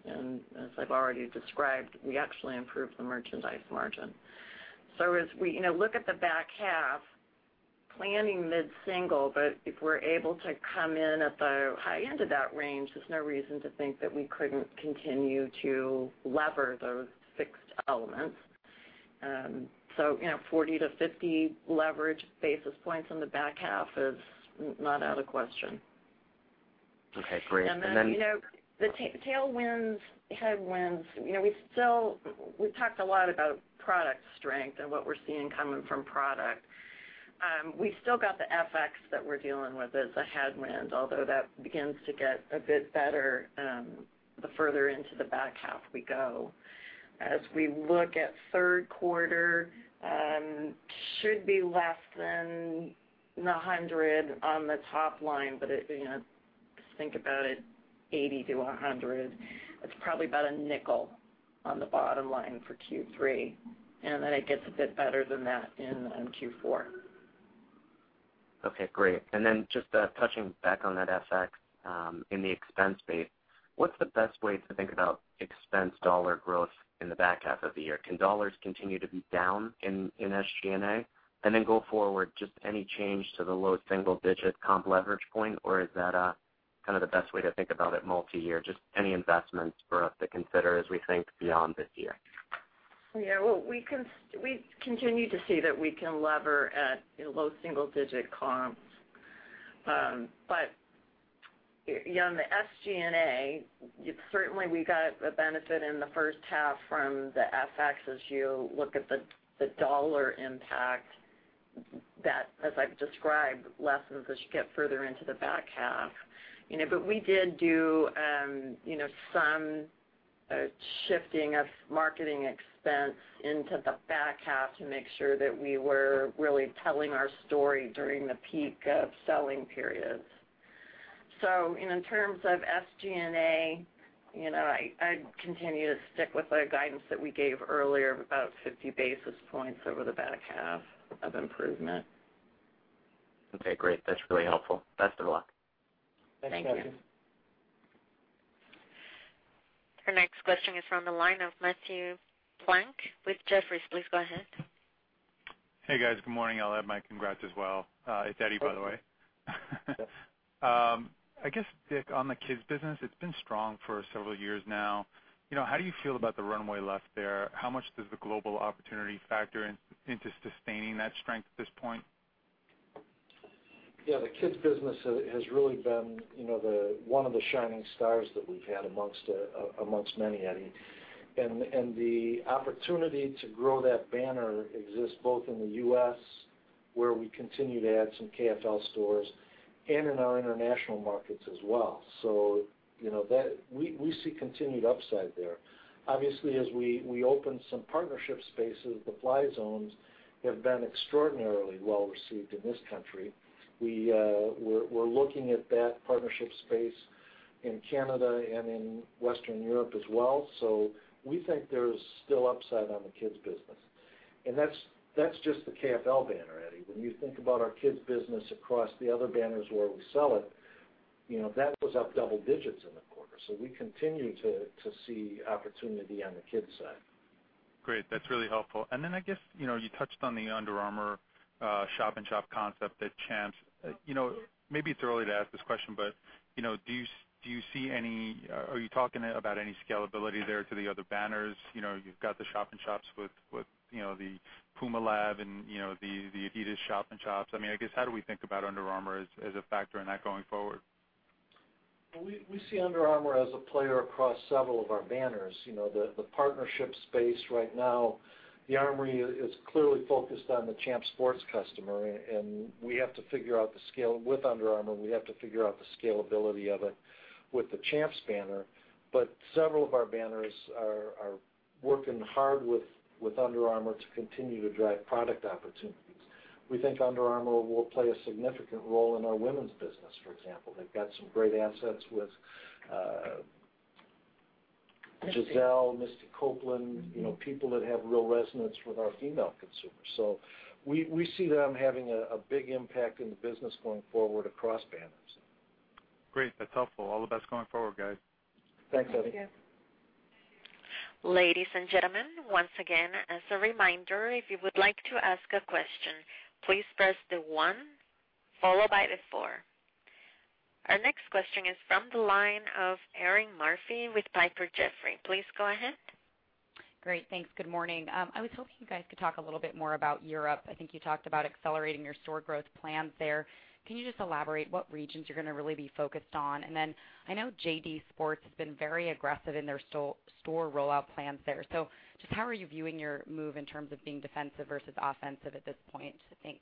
S3: As I've already described, we actually improved the merchandise margin. As we look at the back half, planning mid-single, but if we're able to come in at the high end of that range, there's no reason to think that we couldn't continue to lever those fixed elements. 40-50 leverage basis points on the back half is not out of question.
S10: Okay, great.
S3: The tailwinds, headwinds, we've talked a lot about product strength and what we're seeing coming from product. We still got the FX that we're dealing with as a headwind, although that begins to get a bit better the further into the back half we go. As we look at third quarter, should be less than $100 on the top line, but just think about it, $80-$100. It's probably about $0.05 on the bottom line for Q3, then it gets a bit better than that in Q4.
S10: Okay, great. Just touching back on that FX, in the expense base, what's the best way to think about expense dollar growth in the back half of the year? Can dollars continue to be down in SG&A? Go forward, just any change to the low single-digit comp leverage point, or is that kind of the best way to think about it multi-year? Just any investments for us to consider as we think beyond this year.
S3: Yeah. Well, we continue to see that we can lever at low single-digit comps. On the SG&A, certainly we got a benefit in the first half from the FX as you look at the dollar impact. That, as I've described, lessens as you get further into the back half. We did do some shifting of marketing expense into the back half to make sure that we were really telling our story during the peak of selling periods. In terms of SG&A, I'd continue to stick with the guidance that we gave earlier of about 50 basis points over the back half of improvement.
S10: Okay, great. That's really helpful. Best of luck.
S4: Thanks, Matthew.
S3: Thank you.
S1: Our next question is from the line of Matthew Plank with Jefferies. Please go ahead.
S11: Hey, guys. Good morning. I'll add my congrats as well. It's Eddie, by the way. I guess, Dick, on the kids business, it's been strong for several years now. How do you feel about the runway left there? How much does the global opportunity factor into sustaining that strength at this point?
S4: Yeah, the kids business has really been one of the shining stars that we've had amongst many, Eddie. The opportunity to grow that banner exists both in the U.S., where we continue to add some KFL stores, and in our international markets as well. We see continued upside there. Obviously, as we open some partnership spaces, the Fly Zones have been extraordinarily well-received in this country. We're looking at that partnership space in Canada and in Western Europe as well. We think there's still upside on the kids business. That's just the KFL banner, Eddie. When you think about our kids business across the other banners where we sell it, that was up double digits in the quarter. We continue to see opportunity on the kids side.
S11: Great. That's really helpful. I guess, you touched on the Under Armour shop-in-shop concept at Champs. Maybe it's early to ask this question, but are you talking about any scalability there to the other banners? You've got the shop-in-shops with the PUMA Lab and the Adidas shop-in-shops. I guess, how do we think about Under Armour as a factor in that going forward?
S4: Well, we see Under Armour as a player across several of our banners. The partnership space right now, the ARMOURY is clearly focused on the Champs Sports customer, and with Under Armour, we have to figure out the scalability of it with the Champs banner. Several of our banners are working hard with Under Armour to continue to drive product opportunities. We think Under Armour will play a significant role in our women's business, for example. They've got some great assets with Gisele, Misty Copeland, people that have real resonance with our female consumers. We see them having a big impact in the business going forward across banners.
S11: Great. That's helpful. All the best going forward, guys.
S4: Thanks, Eddie.
S3: Thank you.
S1: Ladies and gentlemen, once again, as a reminder, if you would like to ask a question, please press the one followed by the four. Our next question is from the line of Erinn Murphy with Piper Jaffray. Please go ahead.
S12: Great. Thanks. Good morning. I was hoping you guys could talk a little bit more about Europe. I think you talked about accelerating your store growth plans there. Can you just elaborate what regions you're going to really be focused on? I know JD Sports has been very aggressive in their store rollout plans there. Just how are you viewing your move in terms of being defensive versus offensive at this point? Thanks.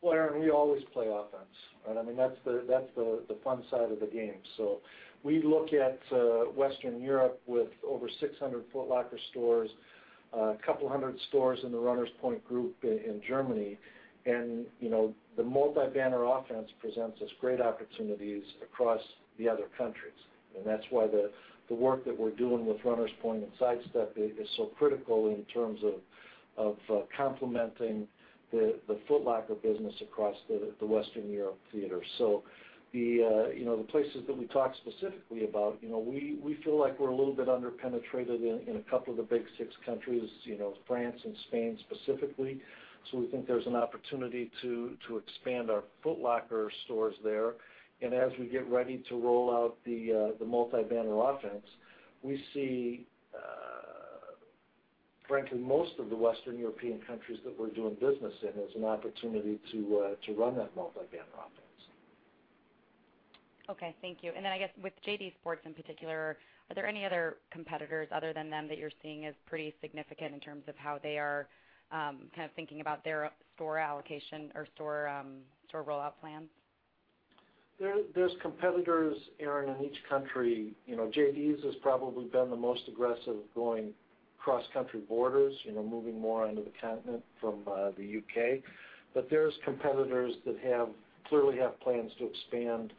S4: Well, Erinn, we always play offense. That's the fun side of the game. We look at Western Europe with over 600 Foot Locker stores, a couple hundred stores in the Runners Point Group in Germany, the multi-banner offense presents us great opportunities across the other countries. That's why the work that we're doing with Runners Point and Sidestep is so critical in terms of complementing the Foot Locker business across the Western Europe theater. The places that we talk specifically about, we feel like we're a little bit under-penetrated in a couple of the big six countries, France and Spain specifically. We think there's an opportunity to expand our Foot Locker stores there. As we get ready to roll out the multi-banner offense, we see, frankly, most of the Western European countries that we're doing business in as an opportunity to run that multi-banner offense.
S12: Okay. Thank you. I guess with JD Sports in particular, are there any other competitors other than them that you're seeing as pretty significant in terms of how they are kind of thinking about their store allocation or store rollout plans?
S4: There's competitors, Erinn, in each country. JD's has probably been the most aggressive going cross-country borders, moving more onto the continent from the U.K. There's competitors that clearly have plans to expand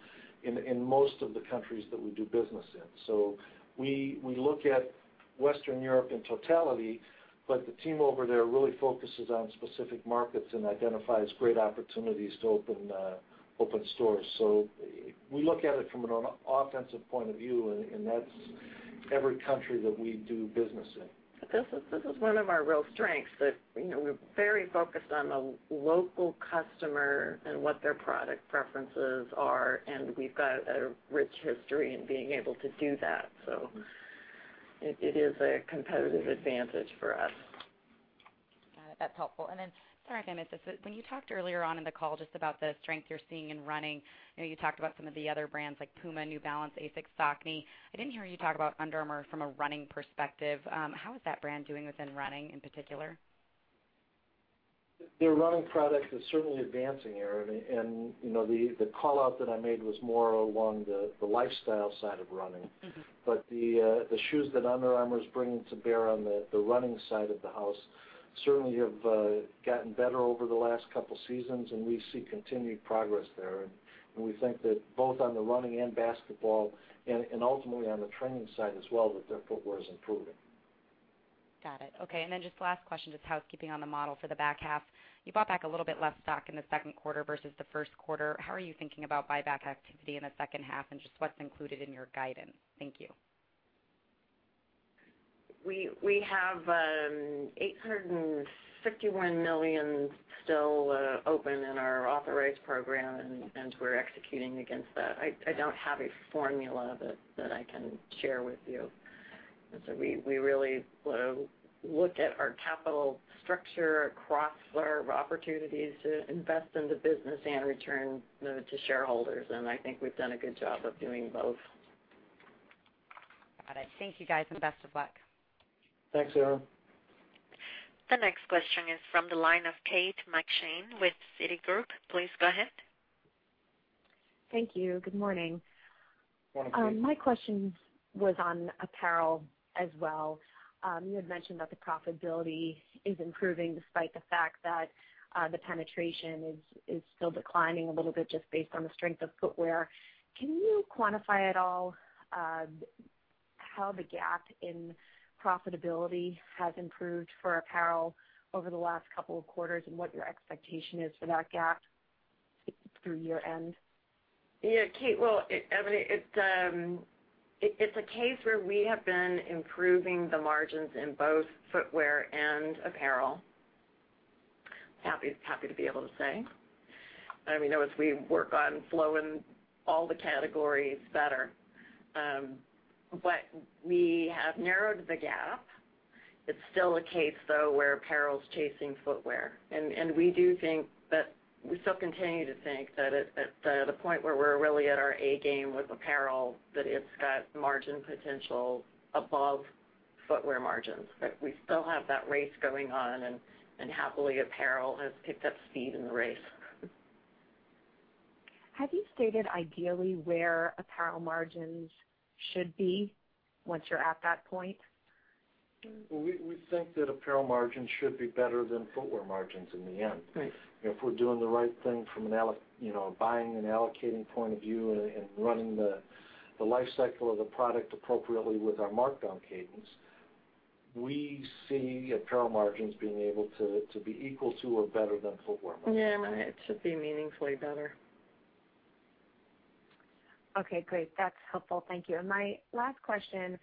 S4: in most of the countries that we do business in. We look at Western Europe in totality, but the team over there really focuses on specific markets and identifies great opportunities to open stores. We look at it from an offensive point of view, and that's every country that we do business in.
S3: This is one of our real strengths, that we're very focused on the local customer and what their product preferences are, and we've got a rich history in being able to do that. It is a competitive advantage for us.
S12: Got it. That's helpful. Sorry, again, Erinn. When you talked earlier on in the call just about the strength you're seeing in running, you talked about some of the other brands like Puma, New Balance, ASICS, Saucony. I didn't hear you talk about Under Armour from a running perspective. How is that brand doing within running in particular?
S4: The running product is certainly advancing, Erinn. The call-out that I made was more along the lifestyle side of running. The shoes that Under Armour is bringing to bear on the running side of the house certainly have gotten better over the last couple of seasons, and we see continued progress there. We think that both on the running and basketball, and ultimately on the training side as well, that their footwear is improving.
S12: Got it. Okay. Just last question, just housekeeping on the model for the back half. You bought back a little bit less stock in the second quarter versus the first quarter. How are you thinking about buyback activity in the second half, and just what's included in your guidance? Thank you.
S3: We have $851 million still open in our authorized program, and we're executing against that. I don't have a formula that I can share with you. We really look at our capital structure across our opportunities to invest in the business and return to shareholders. I think we've done a good job of doing both.
S12: Got it. Thank you guys, best of luck.
S4: Thanks, Erinn.
S1: The next question is from the line of Kate McShane with Citigroup. Please go ahead.
S13: Thank you. Good morning.
S4: Morning, Kate.
S13: My question was on apparel as well. You had mentioned that the profitability is improving despite the fact that the penetration is still declining a little bit just based on the strength of footwear. Can you quantify at all how the gap in profitability has improved for apparel over the last couple of quarters, and what your expectation is for that gap through year-end?
S3: Yeah, Kate. It's a case where we have been improving the margins in both footwear and apparel. Happy to be able to say. As we work on flowing all the categories better. We have narrowed the gap. It's still a case, though, where apparel's chasing footwear. We still continue to think that at the point where we're really at our A game with apparel, that it's got margin potential above footwear margins. We still have that race going on, and happily, apparel has picked up speed in the race.
S13: Have you stated ideally where apparel margins should be once you're at that point?
S4: Well, we think that apparel margins should be better than footwear margins in the end.
S3: Right.
S4: If we're doing the right thing from a buying and allocating point of view and running the life cycle of the product appropriately with our markdown cadence, we see apparel margins being able to be equal to or better than footwear margins.
S3: Yeah. It should be meaningfully better.
S13: Okay, great. That's helpful. Thank you. My last question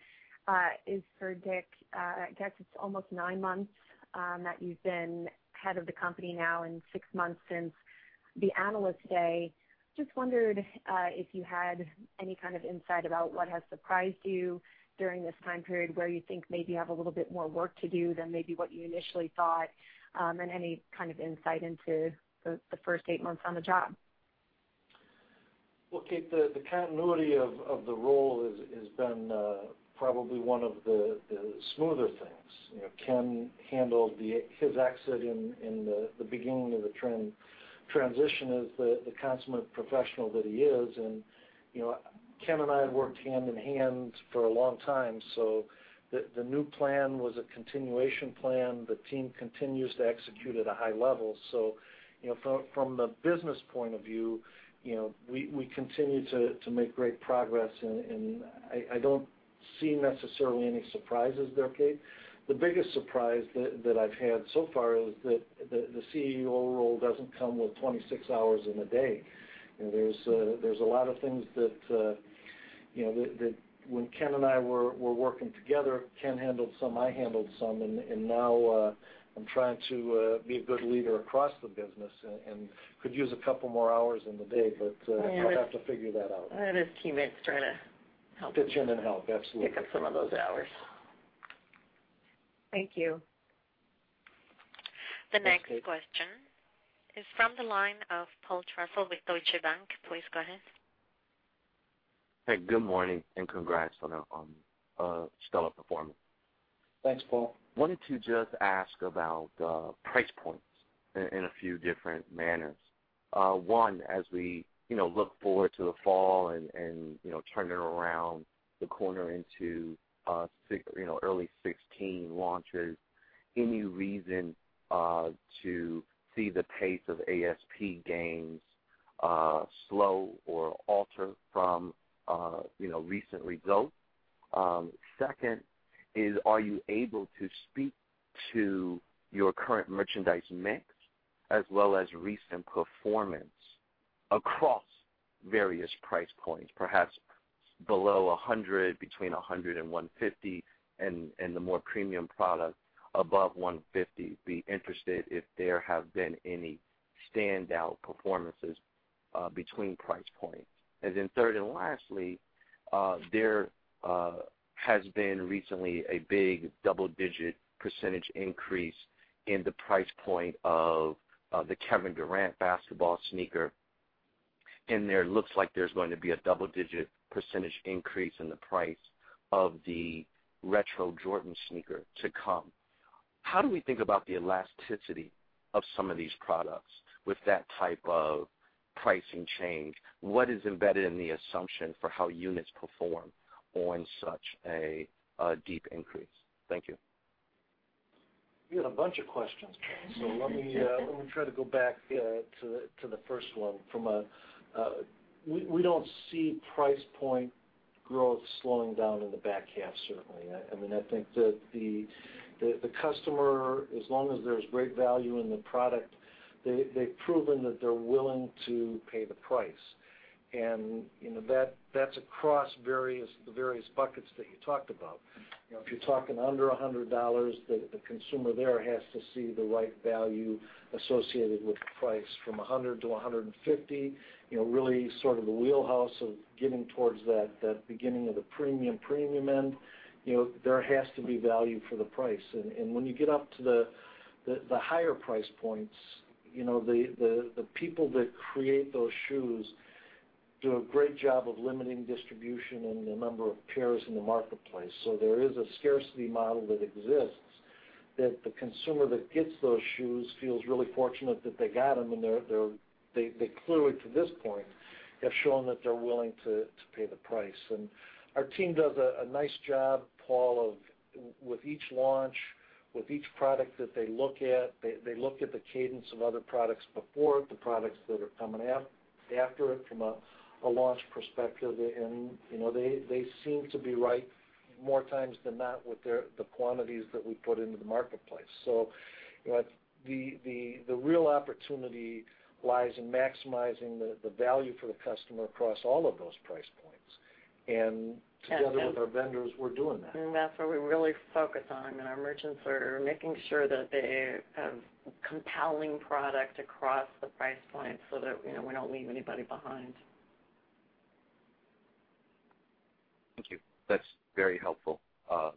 S13: is for Dick. I guess it's almost nine months that you've been head of the company now and six months since the Analyst Day. Just wondered if you had any kind of insight about what has surprised you during this time period. Where you think maybe you have a little bit more work to do than maybe what you initially thought, and any kind of insight into the first eight months on the job.
S4: Well, Kate, the continuity of the role has been probably one of the smoother things. Ken handled his exit in the beginning of the transition as the consummate professional that he is. Ken and I have worked hand in hand for a long time. The new plan was a continuation plan. The team continues to execute at a high level. From the business point of view, we continue to make great progress, and I don't see necessarily any surprises there, Kate. The biggest surprise that I've had so far is that the CEO role doesn't come with 26 hours in a day. There's a lot of things that when Ken and I were working together, Ken handled some, I handled some. Now I'm trying to be a good leader across the business and could use a couple more hours in the day, I'll have to figure that out.
S3: I have his teammates trying to help.
S4: Pitch in and help. Absolutely.
S3: Pick up some of those hours.
S13: Thank you.
S1: The next question is from the line of Paul Trussell with Deutsche Bank. Please go ahead.
S14: Hey, good morning, and congrats on a stellar performance.
S4: Thanks, Paul.
S14: I wanted to just ask about price points in a few different manners. One, as we look forward to the fall and turning around the corner into early 2016 launches, any reason to see the pace of ASP gains slow or alter from recent results? Second is, are you able to speak to your current merchandise mix as well as recent performance across various price points, perhaps below $100, between $100 and $150, and the more premium product above $150? Be interested if there have been any standout performances between price points. Third, and lastly, there has been recently a big double-digit % increase in the price point of the Kevin Durant basketball sneaker. There looks like there's going to be a double-digit % increase in the price of the retro Jordan sneaker to come. How do we think about the elasticity of some of these products with that type of pricing change? What is embedded in the assumption for how units perform on such a deep increase? Thank you.
S4: You had a bunch of questions, Paul. Let me try to go back to the first one. We don't see price point growth slowing down in the back half, certainly. I think that the customer, as long as there's great value in the product. They've proven that they're willing to pay the price. That's across the various buckets that you talked about. If you're talking under $100, the consumer there has to see the right value associated with the price. From $100 to $150, really sort of the wheelhouse of getting towards that beginning of the premium end, there has to be value for the price. When you get up to the higher price points, the people that create those shoes do a great job of limiting distribution and the number of pairs in the marketplace. There is a scarcity model that exists that the consumer that gets those shoes feels really fortunate that they got them, and they clearly, to this point, have shown that they're willing to pay the price. Our team does a nice job, Paul, with each launch, with each product that they look at. They look at the cadence of other products before it, the products that are coming after it from a launch perspective. They seem to be right more times than not with the quantities that we put into the marketplace. The real opportunity lies in maximizing the value for the customer across all of those price points. Together with our vendors, we're doing that.
S3: That's where we really focus on, and our merchants are making sure that they have compelling product across the price points so that we don't leave anybody behind.
S14: Thank you. That's very helpful.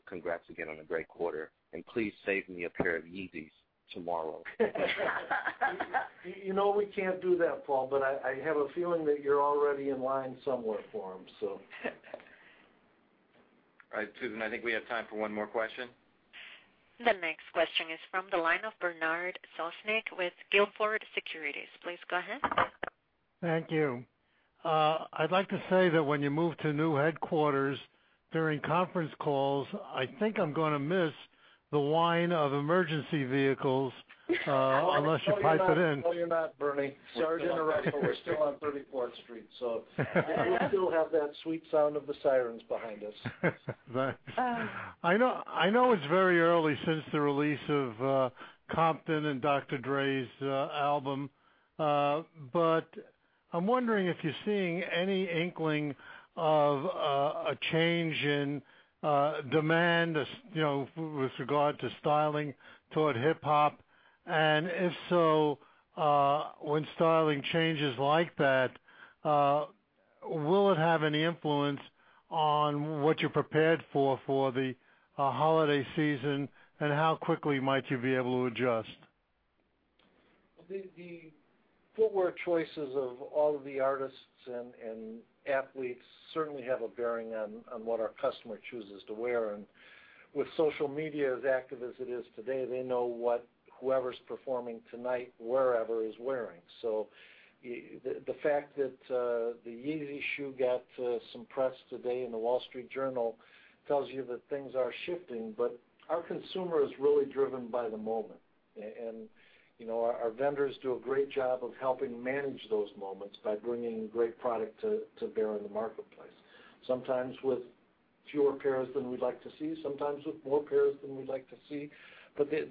S14: Congrats again on a great quarter, and please save me a pair of Yeezy tomorrow.
S4: We can't do that, Paul, but I have a feeling that you're already in line somewhere for them.
S2: All right. Susan, I think we have time for one more question.
S1: The next question is from the line of Bernard Sosnick with Gilford Securities. Please go ahead.
S15: Thank you. I'd like to say that when you move to new headquarters during conference calls, I think I'm going to miss the whine of emergency vehicles unless you pipe it in.
S4: No, you're not, Bernie. Sergeant O'Reilly, we're still on 34th Street, so we'll still have that sweet sound of the sirens behind us.
S15: Thanks. I know it's very early since the release of Compton and Dr. Dre's album. I'm wondering if you're seeing any inkling of a change in demand with regard to styling toward hip hop. If so, when styling changes like that, will it have any influence on what you're prepared for the holiday season, and how quickly might you be able to adjust?
S4: The footwear choices of all of the artists and athletes certainly have a bearing on what our customer chooses to wear. With social media as active as it is today, they know what whoever's performing tonight, wherever, is wearing. The fact that the Yeezy shoe got some press today in The Wall Street Journal tells you that things are shifting. Our consumer is really driven by the moment, and our vendors do a great job of helping manage those moments by bringing great product to bear in the marketplace. Sometimes with fewer pairs than we'd like to see, sometimes with more pairs than we'd like to see.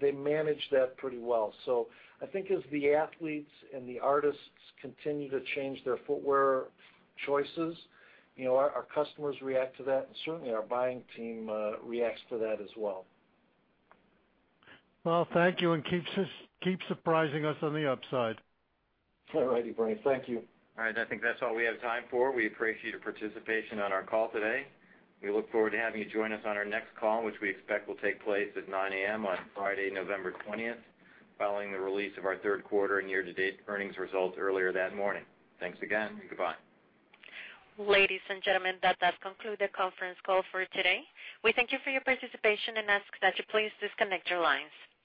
S4: They manage that pretty well. I think as the athletes and the artists continue to change their footwear choices, our customers react to that, and certainly, our buying team reacts to that as well.
S15: Well, thank you. Keep surprising us on the upside.
S4: All righty, Bernie. Thank you.
S2: All right. I think that's all we have time for. We appreciate your participation on our call today. We look forward to having you join us on our next call, which we expect will take place at 9:00 A.M. on Friday, November 20th, following the release of our third quarter and year-to-date earnings results earlier that morning. Thanks again. Goodbye.
S1: Ladies and gentlemen, that does conclude the conference call for today. We thank you for your participation and ask that you please disconnect your lines.